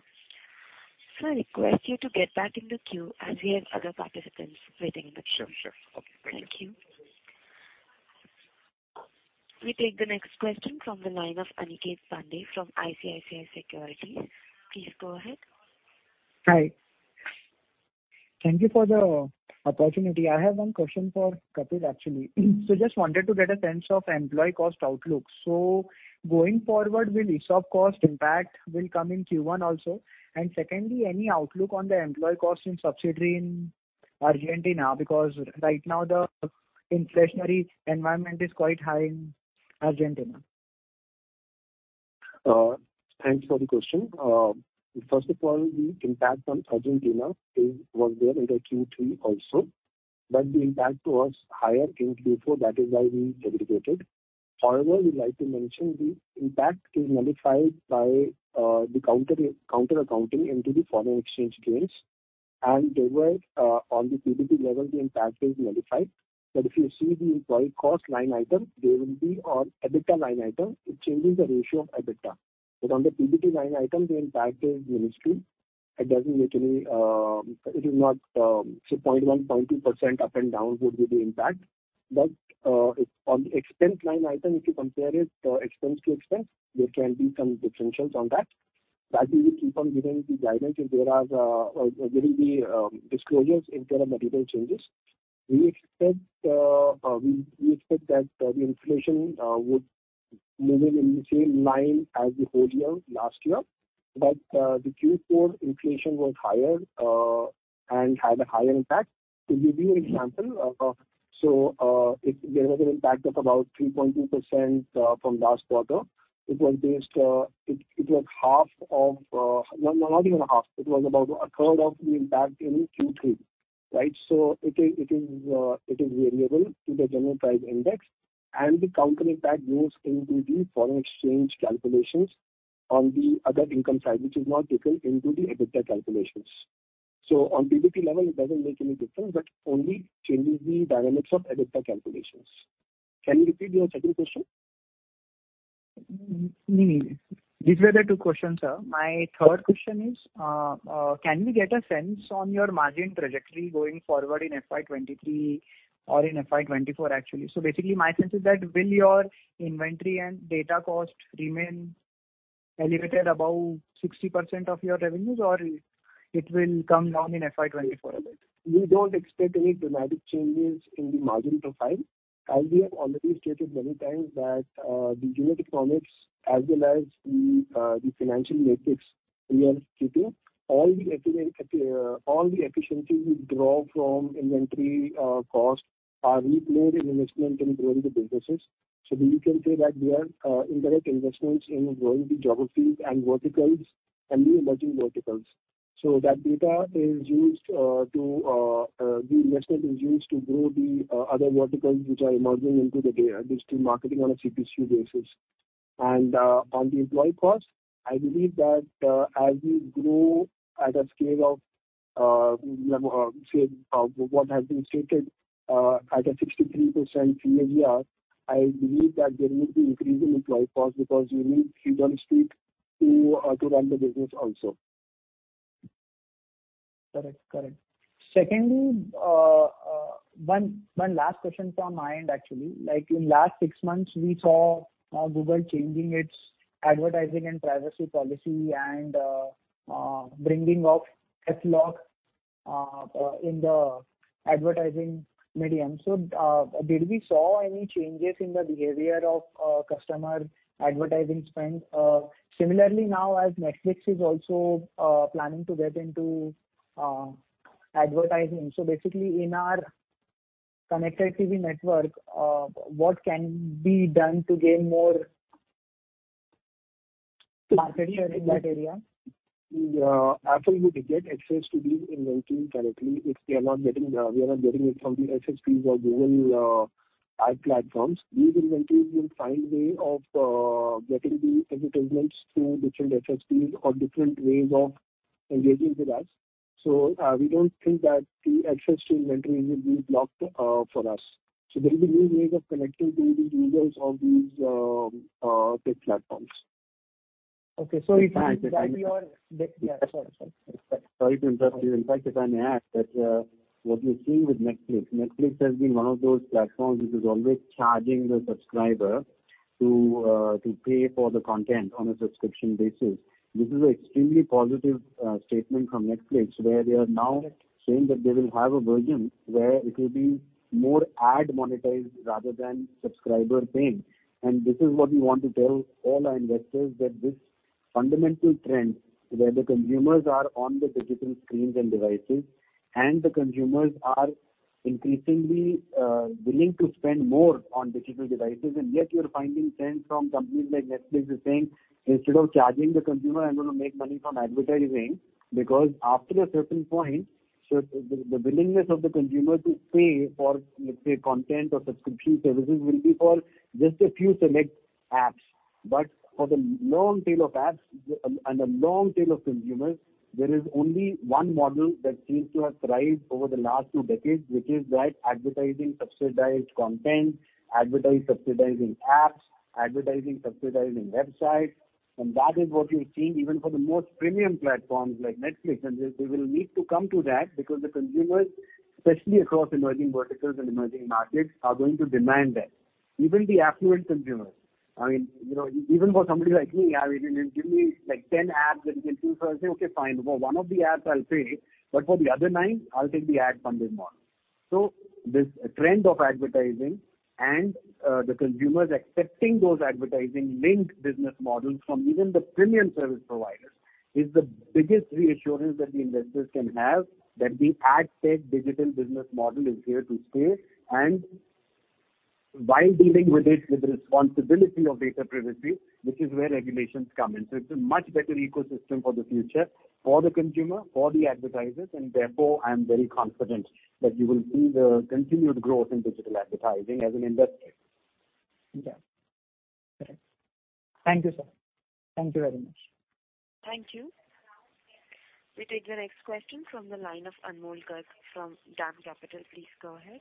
Sir, I request you to get back in the queue as we have other participants waiting in the queue. Sure. Okay. Thank you. Thank you. We take the next question from the line of Aniket Pande from ICICI Securities. Please go ahead. Hi. Thank you for the opportunity. I have one question for Kapil actually. Just wanted to get a sense of employee cost outlook. Going forward, will ESOP cost impact will come in Q1 also? Secondly, any outlook on the employee cost in subsidiary in Argentina, because right now the inflationary environment is quite high in Argentina. Thanks for the question. First of all, the impact on Argentina was there in the Q3 also, but the impact was higher in Q4. That is why we segregated. However, we'd like to mention the impact is nullified by the counter accounting into the foreign exchange gains, and thereby, on the PBT level, the impact is nullified. If you see the employee cost line item, there will be on EBITDA line item, it changes the ratio of EBITDA. On the PBT line item, the impact is minuscule. It doesn't make any. It is not say 0.1%, 0.2% up and down would be the impact. It's on the expense line item, if you compare it, expense to expense, there can be some differentials on that. We will keep on giving the guidance if there are material changes or there will be disclosures if there are material changes. We expect that the inflation would move in the same line as the whole year last year. The Q4 inflation was higher and had a higher impact. To give you an example, if there was an impact of about 3.2% from last quarter, it was based. It was half of, not even a half, it was about a third of the impact in Q3, right? It is variable to the general price index, and the counter impact goes into the foreign exchange calculations on the other income side, which is not taken into the EBITDA calculations. On PBT level it doesn't make any difference, but only changes the dynamics of EBITDA calculations. Can you repeat your second question? No, no. These were the two questions, sir. My third question is, can we get a sense on your margin trajectory going forward in FY 2023 or in FY 2024, actually? Basically my sense is that will your inventory and data cost remain elevated above 60% of your revenues, or it will come down in FY 2024 a bit? We don't expect any dramatic changes in the margin profile. As we have already stated many times that the unit economics as well as the financial metrics we are keeping, all the efficiencies we draw from inventory cost are redeployed in investment in growing the businesses. You can say that they are indirect investments in growing the geographies and verticals and the emerging verticals. The investment is used to grow the other verticals which are emerging into the data. This is marketing on a CPCU basis. On the employee cost, I believe that as we grow at a scale of, say, what has been stated, at a 63% CAGR, I believe that there will be increase in employee cost because you need human resources to run the business also. Correct. Secondly, one last question from my end actually. Like in the last six months, we saw Google changing its advertising and privacy policy and bringing up FLoC in the advertising medium. Did we saw any changes in the behavior of customer advertising spend? Similarly now, as Netflix is also planning to get into advertising. Basically in our connected TV network, what can be done to gain more market share in that area? Apple would get access to the inventory directly if they are not getting, we are not getting it from the SSPs or Google, ad platforms. These inventories will find a way of getting the advertisements through different SSPs or different ways of engaging with us. We don't think that the access to inventory will be blocked for us. There will be new ways of connecting to the users of these tech platforms. Okay. It's exactly Can I interject? Yeah. Sorry. Sorry. Sorry to interrupt you. In fact, if I may add that, what we're seeing with Netflix has been one of those platforms which is always charging the subscriber to pay for the content on a subscription basis. This is an extremely positive statement from Netflix, where they are now saying that they will have a version where it will be more ad monetized rather than subscriber paying. This is what we want to tell all our investors that this fundamental trends where the consumers are on the digital screens and devices, and the consumers are increasingly willing to spend more on digital devices. Yet you're finding trends from companies like Netflix are saying, "Instead of charging the consumer, I'm gonna make money from advertising." Because after a certain point, the willingness of the consumer to pay for, let's say, content or subscription services will be for just a few select apps. For the long tail of apps and the long tail of consumers, there is only one model that seems to have thrived over the last two decades, which is that advertising subsidized content, advertising subsidizing apps, advertising subsidizing websites. That is what you're seeing even for the most premium platforms like Netflix. They will need to come to that because the consumers, especially across emerging verticals and emerging markets, are going to demand that, even the affluent consumers. I mean, you know, even for somebody like me, you can give me, like, 10 apps that you can choose from, I'll say, "Okay, fine. For one of the apps I'll pay, but for the other nine I'll take the ad-funded model." This trend of advertising and the consumers accepting those advertising-linked business models from even the premium service providers is the biggest reassurance that the investors can have that the ad-tech digital business model is here to stay. While dealing with it with the responsibility of data privacy, which is where regulations come in. It's a much better ecosystem for the future, for the consumer, for the advertisers, and therefore I am very confident that you will see the continued growth in digital advertising as an investor. Yeah. Okay. Thank you, sir. Thank you very much. Thank you. We take the next question from the line of Anmol Garg from DAM Capital. Please go ahead.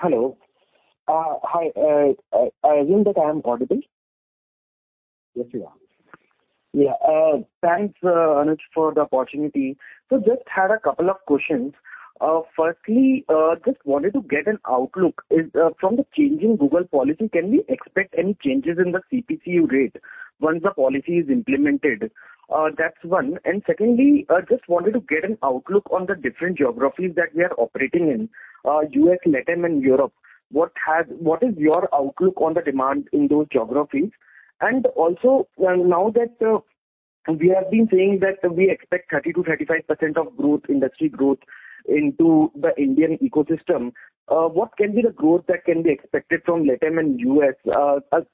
Hello. Hi. I assume that I am audible. Yes, you are. Thanks, Anuj, for the opportunity. Just had a couple of questions. Firstly, just wanted to get an outlook. Is, from the changing Google policy, can we expect any changes in the CPCU rate once the policy is implemented? That's one. Secondly, just wanted to get an outlook on the different geographies that we are operating in, U.S, LATAM and Europe. What is your outlook on the demand in those geographies? Also, now that, we have been saying that we expect 30%-35% of growth, industry growth into the Indian ecosystem, what can be the growth that can be expected from LATAM and U.S?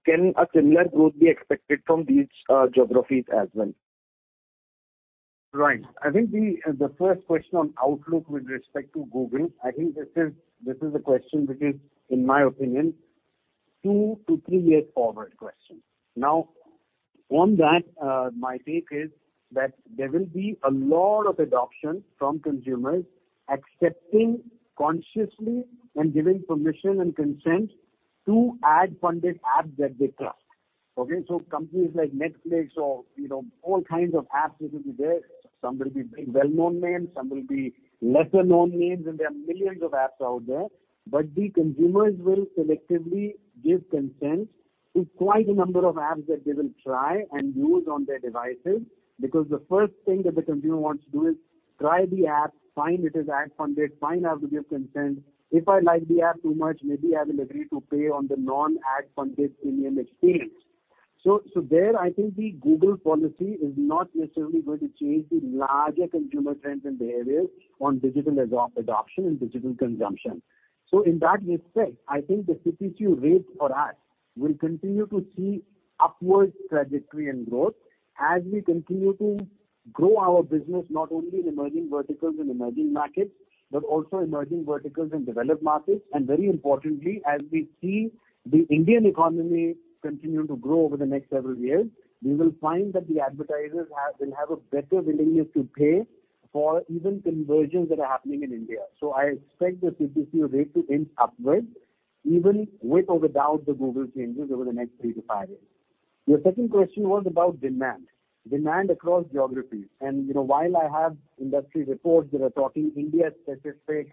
Can a similar growth be expected from these, geographies as well? Right. I think the first question on outlook with respect to Google, I think this is a question which is, in my opinion, two to three years forward question. Now, on that, my take is that there will be a lot of adoption from consumers accepting consciously and giving permission and consent to ad-funded apps that they trust. Okay? Companies like Netflix or, you know, all kinds of apps which will be there, some will be big, well-known names, some will be lesser-known names, and there are millions of apps out there, but the consumers will selectively give consent to quite a number of apps that they will try and use on their devices. Because the first thing that the consumer wants to do is try the app, find it is ad-funded, find out if you're concerned. If I like the app too much, maybe I will agree to pay on the non-ad-funded premium experience. There, I think the Google policy is not necessarily going to change the larger consumer trends and behaviors on digital adoption and digital consumption. In that respect, I think the CPCU rate for us will continue to see upward trajectory and growth as we continue to grow our business, not only in emerging verticals and emerging markets, but also emerging verticals in developed markets. Very importantly, as we see the Indian economy continue to grow over the next several years, we will find that the advertisers will have a better willingness to pay for even conversions that are happening in India. I expect the CPCU rate to trend upwards even with or without the Google changes over the next three to five years. Your second question was about demand across geographies. You know, while I have industry reports that are talking India-specific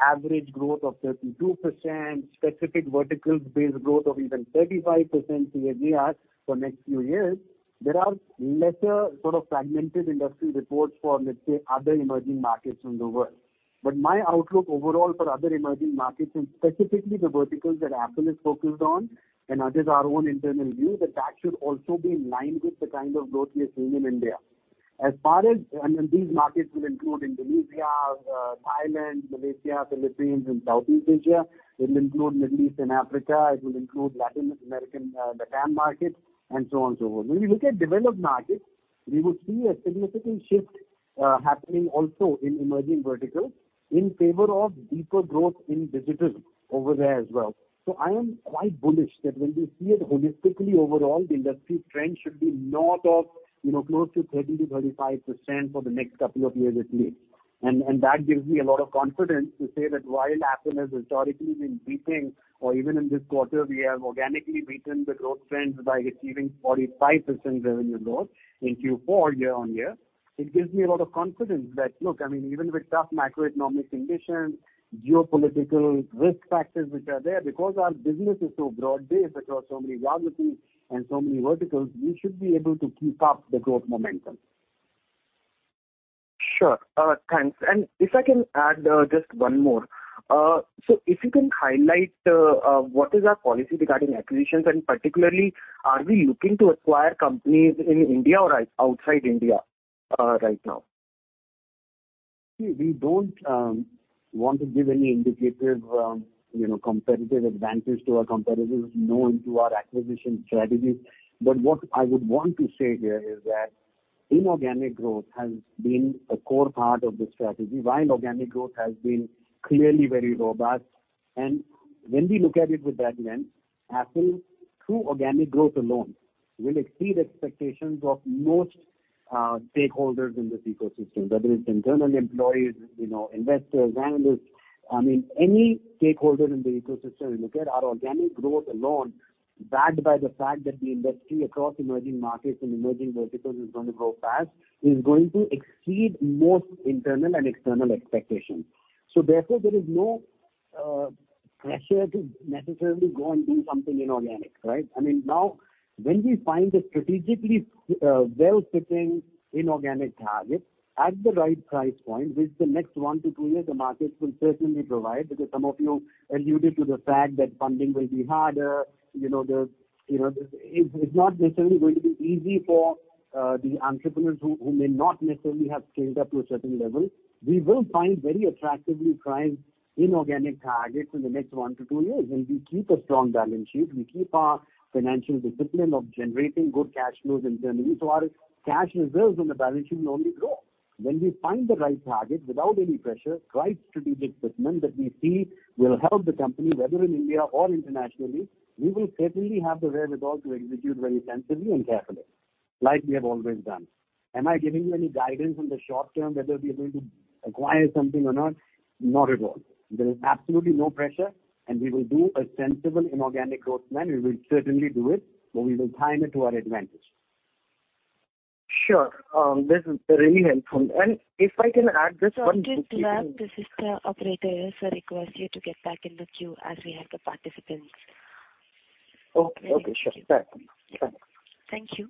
average growth of 32%, specific verticals-based growth of even 35% CAGR for next few years, there are lesser sort of fragmented industry reports for, let's say, other emerging markets in the world. My outlook overall for other emerging markets and specifically the verticals that Affle is focused on, and that is our own internal view, that should also be in line with the kind of growth we are seeing in India. These markets will include Indonesia, Thailand, Malaysia, Philippines and Southeast Asia. It will include Middle East and Africa. It will include Latin America, LATAM markets, and so on and so forth. When we look at developed markets, we would see a significant shift happening also in emerging verticals in favor of deeper growth in visitors over there as well. I am quite bullish that when we see it holistically overall, the industry trend should be north of close to 30%-35% for the next couple of years at least. That gives me a lot of confidence to say that while Affle has historically been beating, or even in this quarter, we have organically beaten the growth trends by achieving 45% revenue growth in Q4 year-over-year. It gives me a lot of confidence that, look, I mean, even with tough macroeconomic conditions, geopolitical risk factors which are there, because our business is so broad-based across so many geographies and so many verticals, we should be able to keep up the growth momentum. Sure. Thanks. If I can add just one more. If you can highlight what is our policy regarding acquisitions and particularly are we looking to acquire companies in India or outside India right now? We don't want to give any indicative, you know, competitive advantage to our competitors, nor into our acquisition strategies. What I would want to say here is that inorganic growth has been a core part of the strategy, while organic growth has been clearly very robust. When we look at it with that lens, Affle through organic growth alone will exceed expectations of most stakeholders in this ecosystem, whether it's internal employees, you know, investors, analysts. I mean, any stakeholder in the ecosystem you look at, our organic growth alone, backed by the fact that the industry across emerging markets and emerging verticals is gonna grow fast, is going to exceed most internal and external expectations. Therefore, there is no pressure to necessarily go and do something inorganic, right? I mean, now when we find a strategically well-fitting inorganic target at the right price point, which the next one to two years the markets will certainly provide, because some of you alluded to the fact that funding will be harder. It's not necessarily going to be easy for the entrepreneurs who may not necessarily have scaled up to a certain level. We will find very attractively priced inorganic targets in the next one to two years. When we keep a strong balance sheet, we keep our financial discipline of generating good cash flows internally, so our cash reserves on the balance sheet will only grow. When we find the right target without any pressure, right strategic fitment that we see will help the company, whether in India or internationally, we will certainly have the wherewithal to execute very sensibly and carefully, like we have always done. Am I giving you any guidance on the short term whether we are going to acquire something or not? Not at all. There is absolutely no pressure, and we will do a sensible inorganic growth plan. We will certainly do it, but we will time it to our advantage. Sure. This is really helpful. If I can add just one- Dr. Garg, this is the operator. Sir requests you to get back in the queue as we have the participants. Okay. Okay, sure. Thank you. Thanks. Thank you.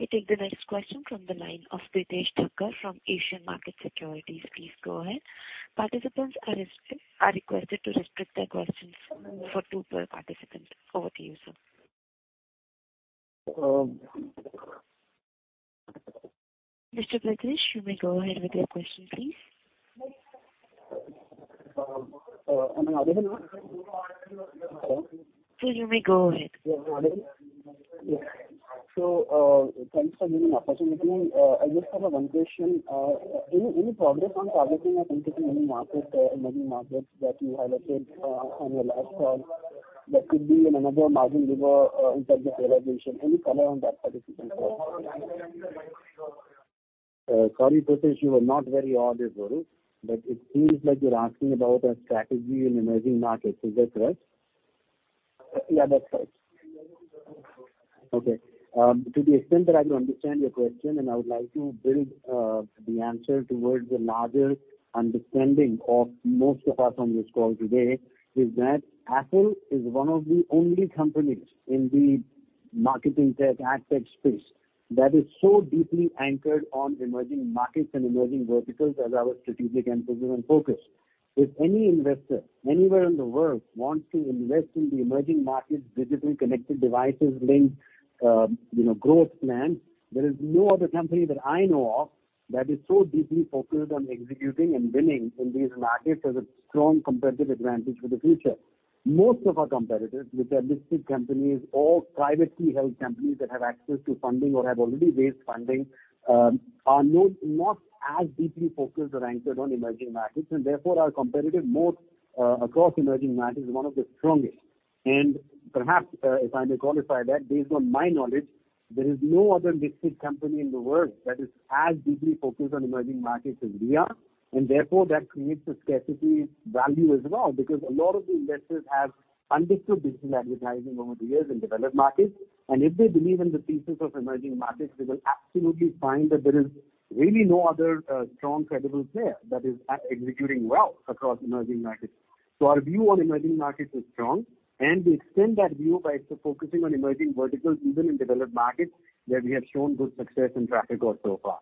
We take the next question from the line of Pritesh Thakkar from Asian Markets Securities. Please go ahead. Participants are requested to restrict their questions to two per participant. Over to you, sir. Mr. Pritesh, you may go ahead with your question, please. Am I audible now? Hello? Sir, you may go ahead. Yes. Audible? Yes. Thanks for giving the opportunity. I just have one question. Any progress on targeting or penetrating any emerging markets that you highlighted on your last call that could be another margin lever in terms of realization? Any color on that participants call? Sorry, Pritesh, you were not very audible, but it seems like you're asking about our strategy in emerging markets. Is that correct? Yeah, that's right. Okay. To the extent that I can understand your question, and I would like to build the answer towards the larger understanding of most of us on this call today, is that Affle is one of the only companies in the marketing tech ad tech space that is so deeply anchored on emerging markets and emerging verticals as our strategic and business focus. If any investor anywhere in the world wants to invest in the emerging markets, digital connected devices linked growth plan, there is no other company that I know of that is so deeply focused on executing and winning in these markets as a strong competitive advantage for the future. Most of our competitors, which are listed companies or privately held companies that have access to funding or have already raised funding, are not as deeply focused or anchored on emerging markets, and therefore our competitive moat across emerging markets is one of the strongest. Perhaps, if I may qualify that based on my knowledge, there is no other listed company in the world that is as deeply focused on emerging markets as we are. Therefore, that creates a scarcity value as well, because a lot of the investors have understood digital advertising over the years in developed markets. If they believe in the thesis of emerging markets, they will absolutely find that there is really no other strong credible player that is executing well across emerging markets. Our view on emerging markets is strong, and we extend that view by focusing on emerging verticals even in developed markets where we have shown good success and track record so far.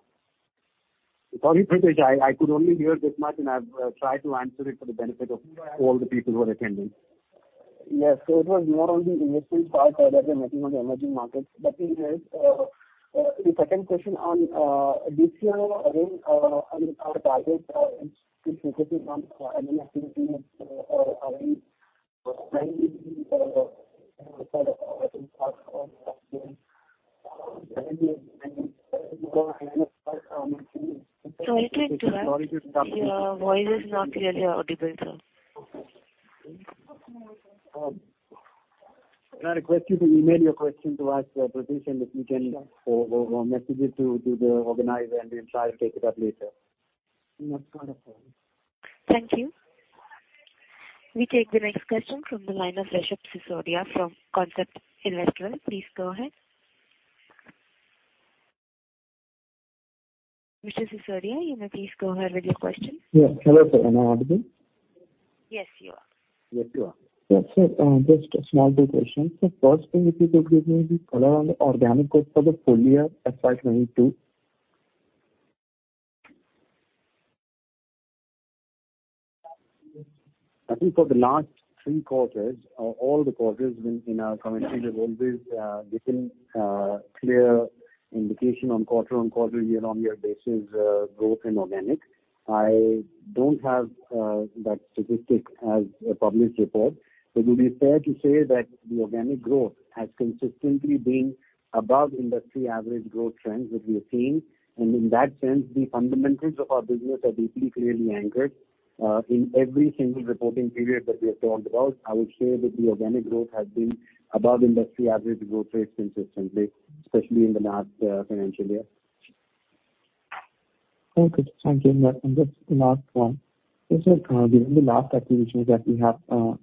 Sorry, Pritesh, I could only hear this much, and I've tried to answer it for the benefit of all the people who are attending. Yes. It was more on the investment side rather than focusing on the emerging markets. Anyways, the second question on this year again, I mean, our target in specific on MEA is, are we planning to, you know- Sorry, Thakkar. Sorry to stop you. Your voice is not really audible, sir. Can I request you to email your question to us, Pritesh, and if we can, message it to the organizer, and we'll try to take it up later? Yes, wonderful. Thank you. We take the next question from the line of Rishabh Sisodia from Concept Investment Please go ahead. Mr. Sisodia, you may please go ahead with your question. Yes. Hello, sir. Am I audible? Yes, you are. Yes, you are. Yes, sir. Just a small two questions. First thing, if you could give me the color on the organic growth for the full year FY 2022. I think for the last three quarters or all the quarters in our commentary, we've always given clear indication on quarter-on-quarter, year-on-year basis, growth in organic. I don't have that statistic as a published report. It will be fair to say that the organic growth has consistently been above industry average growth trends that we have seen. In that sense, the fundamentals of our business are deeply, clearly anchored. In every single reporting period that we have talked about, I would say that the organic growth has been above industry average growth rate consistently, especially in the last financial year. Okay. Thank you. Just the last one. This is during the last acquisitions that we have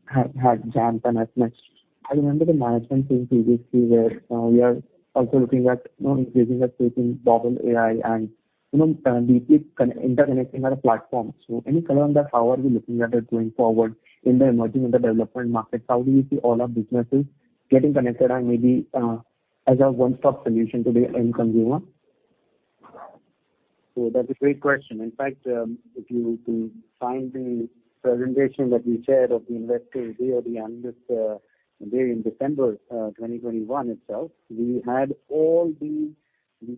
had, Jampp and Appnext. I remember the management saying previously where we are also looking at, you know, increasing our stake in Bobble AI and, you know, deeply interconnecting our platforms. Any color on that? How are we looking at it going forward in the emerging and developing markets? How do you see all our businesses getting connected and maybe as a one stop solution to the end consumer? That's a great question. In fact, if you find the presentation that we shared of the Investor Day or the Analyst Day in December 2021 itself, we had all the. We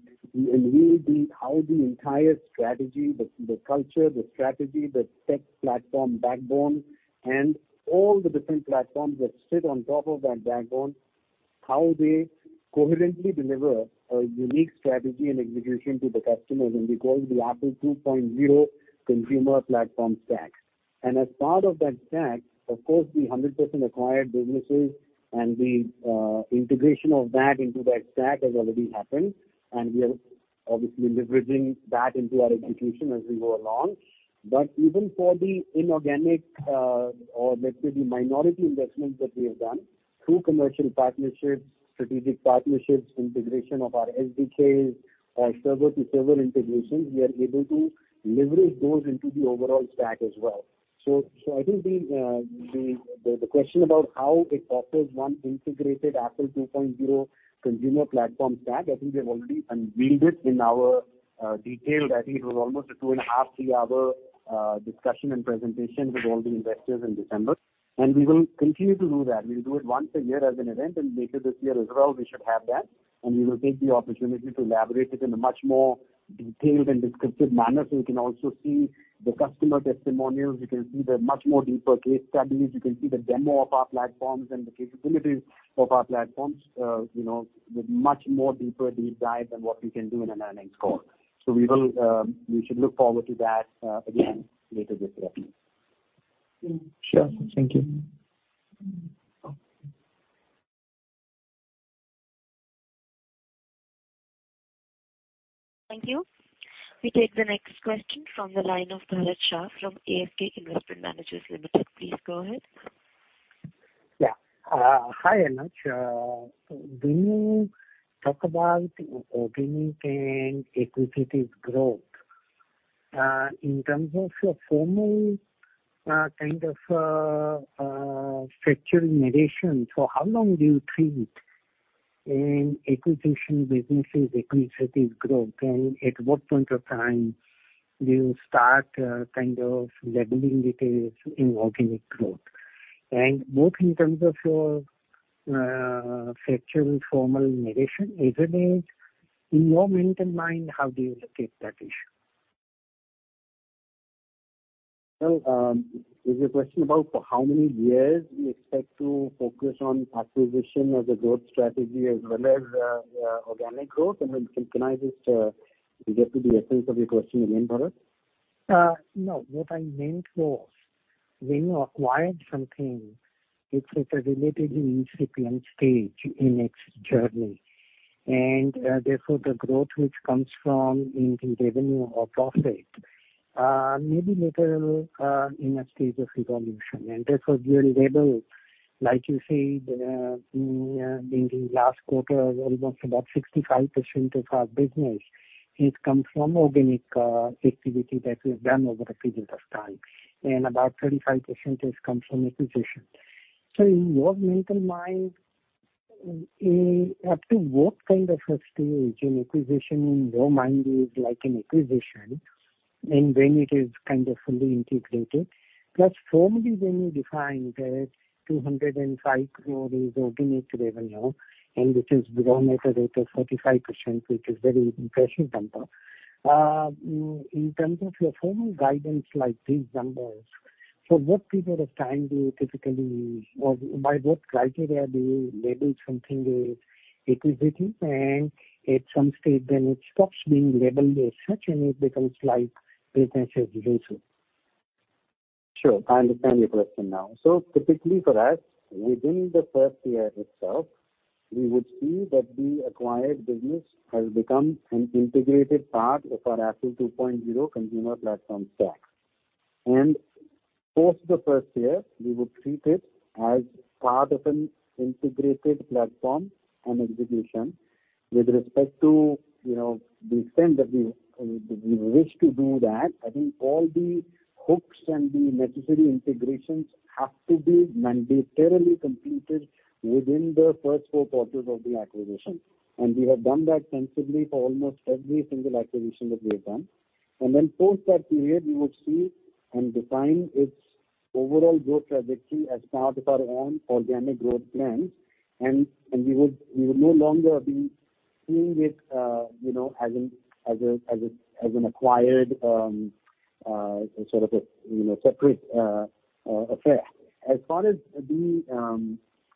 unveiled how the entire strategy, the culture, the tech platform backbone, and all the different platforms that sit on top of that backbone, how they coherently deliver a unique strategy and execution to the customers. We call it the Affle 2.0 consumer platform stack. As part of that stack, of course, the 100% acquired businesses and the integration of that into that stack has already happened. We are obviously leveraging that into our execution as we go along. Even for the inorganic, or let's say the minority investments that we have done through commercial partnerships, strategic partnerships, integration of our SDKs or server to server integrations, we are able to leverage those into the overall stack as well. So I think the question about how it offers one integrated Affle 2.0 consumer platform stack, I think we have already unveiled it in our detailed, I think it was almost a two and a half to three hour discussion and presentation with all the investors in December. We will continue to do that. We'll do it once a year as an event, and later this year as well, we should have that, and we will take the opportunity to elaborate it in a much more detailed and descriptive manner, so you can also see the customer testimonials. You can see the much more deeper case studies. You can see the demo of our platforms and the capabilities of our platforms, you know, with much more deeper deep dive than what we can do in an earnings call. We should look forward to that again later this year. Sure. Thank you. Thank you. We take the next question from the line of Bharat Shah from ASK Investment Managers Limited. Please go ahead. Yeah. Hi, Anuj. When you talk about organic and acquisitive growth, in terms of your formal, kind of, structured methodology, how long do you treat an acquired business as acquisitive growth? And at what point of time do you start, kind of, labeling it as inorganic growth? And both in terms of your, structured formal methodology, as well as in your mental model, how do you look at that issue? Is your question about for how many years we expect to focus on acquisition as a growth strategy as well as organic growth? Did I get to the essence of your question again, Bharat? No. What I meant was when you acquired something, it's at a relatively incipient stage in its journey. Therefore, the growth which comes from inorganic revenue or profit may be little in a stage of evolution. Therefore you'll label, like you said, in the last quarter, almost about 65% of our business, it comes from organic activity that we've done over a period of time, and about 35% has come from acquisition. In your mental mind, up to what kind of a stage an acquisition in your mind is like an acquisition and when it is kind of fully integrated? Plus formally when you define that 205 crore is organic revenue, and it is grown at a rate of 45%, which is very impressive number. In terms of your formal guidance, like these numbers, for what period of time do you typically? Or by what criteria do you label something acquisitive? At some stage then it stops being labeled as such and it becomes like potential dilution. Sure. I understand your question now. Typically for us, within the first year itself, we would see that the acquired business has become an integrated part of our Affle 2.0 Consumer Platform Stack. Post the first year, we would treat it as part of an integrated platform and execution. With respect to, you know, the extent that we wish to do that, I think all the hooks and the necessary integrations have to be mandatorily completed within the first 4 quarters of the acquisition. We have done that sensibly for almost every single acquisition that we have done. Post that period, we would see and define its overall growth trajectory as part of our own organic growth plans. We would no longer be seeing it, you know, as an acquired sort of a, you know, separate affair. As far as the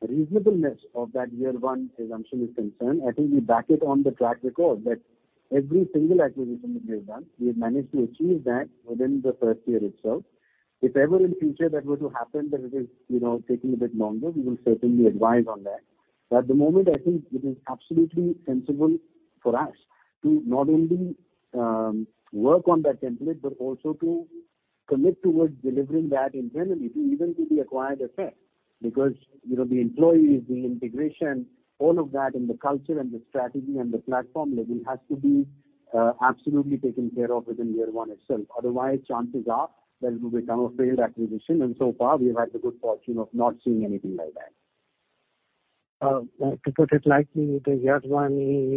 reasonableness of that year one assumption is concerned, I think we back it on the track record that every single acquisition that we have done, we have managed to achieve that within the first year itself. If ever in future that were to happen, you know, taking a bit longer, we will certainly advise on that. At the moment, I think it is absolutely sensible for us to not only work on that template, but also to commit towards delivering that internally to the acquired effect. Because, you know, the employees, the integration, all of that and the culture and the strategy and the platform level has to be absolutely taken care of within year one itself. Otherwise, chances are that it will become a failed acquisition, and so far we have had the good fortune of not seeing anything like that. To put it lightly, the year one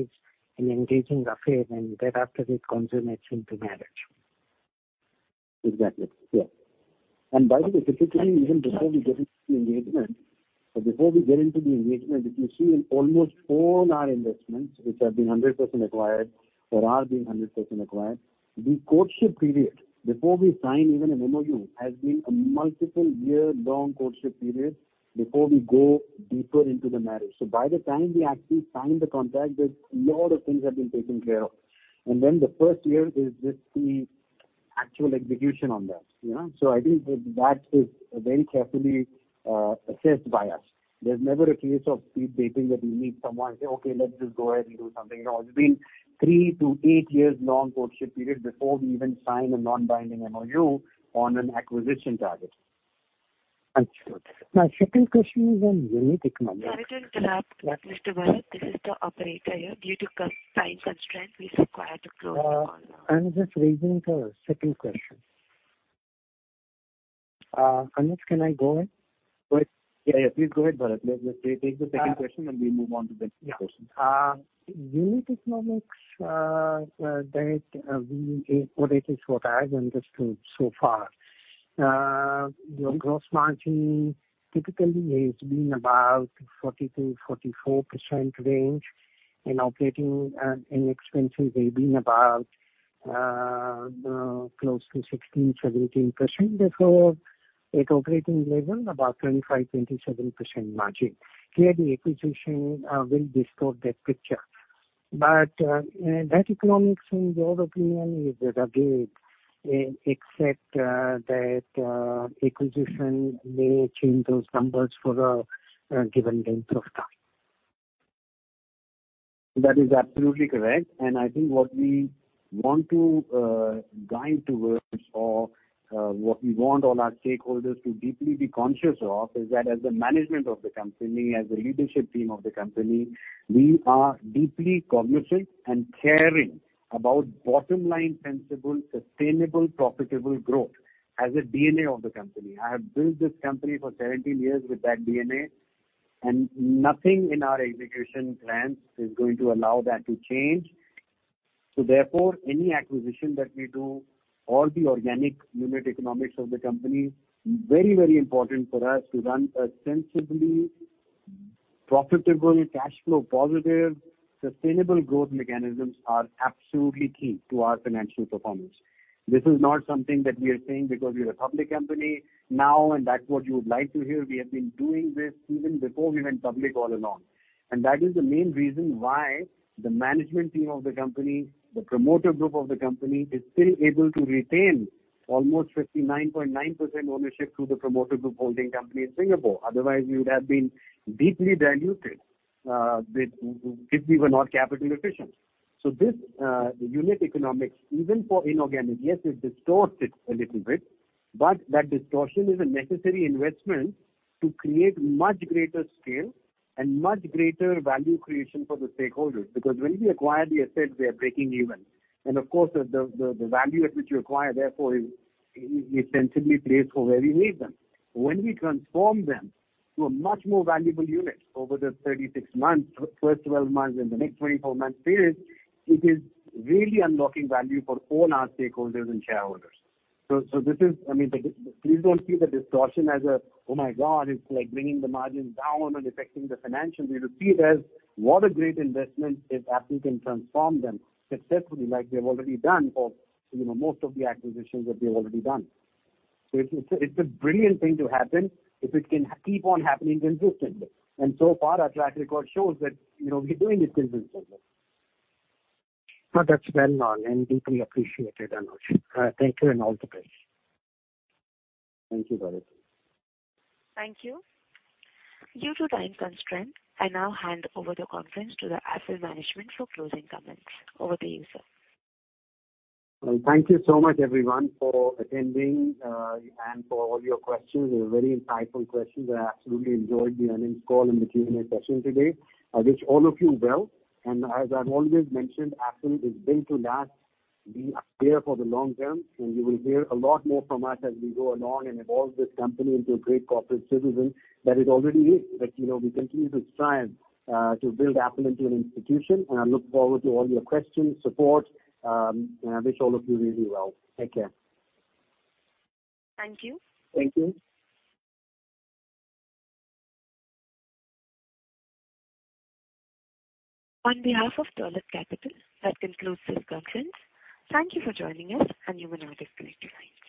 is an engaging affair, and thereafter it consummates into marriage. Exactly. Yeah. By the way, typically even before we get into the engagement, if you see in almost all our investments, which have been 100% acquired or are being 100% acquired, the courtship period before we sign even an MOU, has been a multiple year-long courtship period before we go deeper into the marriage. By the time we actually sign the contract, there's a lot of things have been taken care of. Then the first year is just the actual execution on that, you know. I think that is very carefully assessed by us. There's never a case of speed dating that we meet someone and say, "Okay, let's just go ahead and do something." You know, it's been three to eight years long courtship period before we even sign a non-binding MOU on an acquisition target. Understood. My second question is on unit economics. Pardon the interruption, Mr. Bharat Shah. This is the operator here. Due to time constraint, we require to close the call now. I'm just raising the second question. Anuj, can I go ahead? Go ahead. Yeah, yeah, please go ahead, Bharat. Let's take the second question, and we move on to the next question. Yeah. Unit economics, or at least what I have understood so far, your gross margin typically has been about 40%-44% range, and operating expenses have been about close to 16%-17%. Therefore, at operating level, about 25%-27% margin. Clearly, acquisition will distort that picture. That economics in your opinion is robust, except that acquisition may change those numbers for a given length of time. That is absolutely correct. I think what we want all our stakeholders to deeply be conscious of is that as the management of the company, as the leadership team of the company, we are deeply cognizant and caring about bottom line sensible, sustainable, profitable growth as a DNA of the company. I have built this company for 17 years with that DNA, and nothing in our execution plans is going to allow that to change. Therefore, any acquisition that we do or the organic unit economics of the company, very, very important for us to run a sensibly profitable, cash flow positive, sustainable growth mechanisms are absolutely key to our financial performance. This is not something that we are saying because we're a public company now, and that's what you would like to hear. We have been doing this even before we went public all along. That is the main reason why the management team of the company, the promoter group of the company, is still able to retain almost 59.9% ownership through the promoter group holding company in Singapore. Otherwise, we would have been deeply diluted if we were not capital efficient. This unit economics even for inorganic, yes, it distorts it a little bit. That distortion is a necessary investment to create much greater scale and much greater value creation for the stakeholders. Because when we acquire the assets, we are breaking even. Of course, the value at which we acquire therefore is sensibly placed for where we need them. When we transform them to a much more valuable unit over the 36 months, first 12 months, and the next 24 months period, it is really unlocking value for all our stakeholders and shareholders. This is, I mean, please don't see the distortion as a, "Oh my God, it's like bringing the margin down and affecting the financials." We will see it as what a great investment if Affle can transform them successfully like they've already done for, you know, most of the acquisitions that we have already done. It's a brilliant thing to happen if it can keep on happening consistently. So far our track record shows that, you know, we're doing it consistently. No, that's well known and deeply appreciated, Anuj. Thank you and all the best. Thank you, Bharat. Thank you. Due to time constraint, I now hand over the conference to the Affle management for closing comments. Over to you, sir. Well, thank you so much everyone for attending and for all your questions. They were very insightful questions. I absolutely enjoyed the earnings call and the Q&A session today. I wish all of you well. As I've always mentioned, Affle is built to last. We are here for the long term, and you will hear a lot more from us as we go along and evolve this company into a great corporate citizen that it already is. You know, we continue to strive to build Affle into an institution, and I look forward to all your questions, support, and I wish all of you really well. Take care. Thank you. Thank you. On behalf of Dolat Capital, that concludes this conference. Thank you for joining us, and you may now disconnect your lines.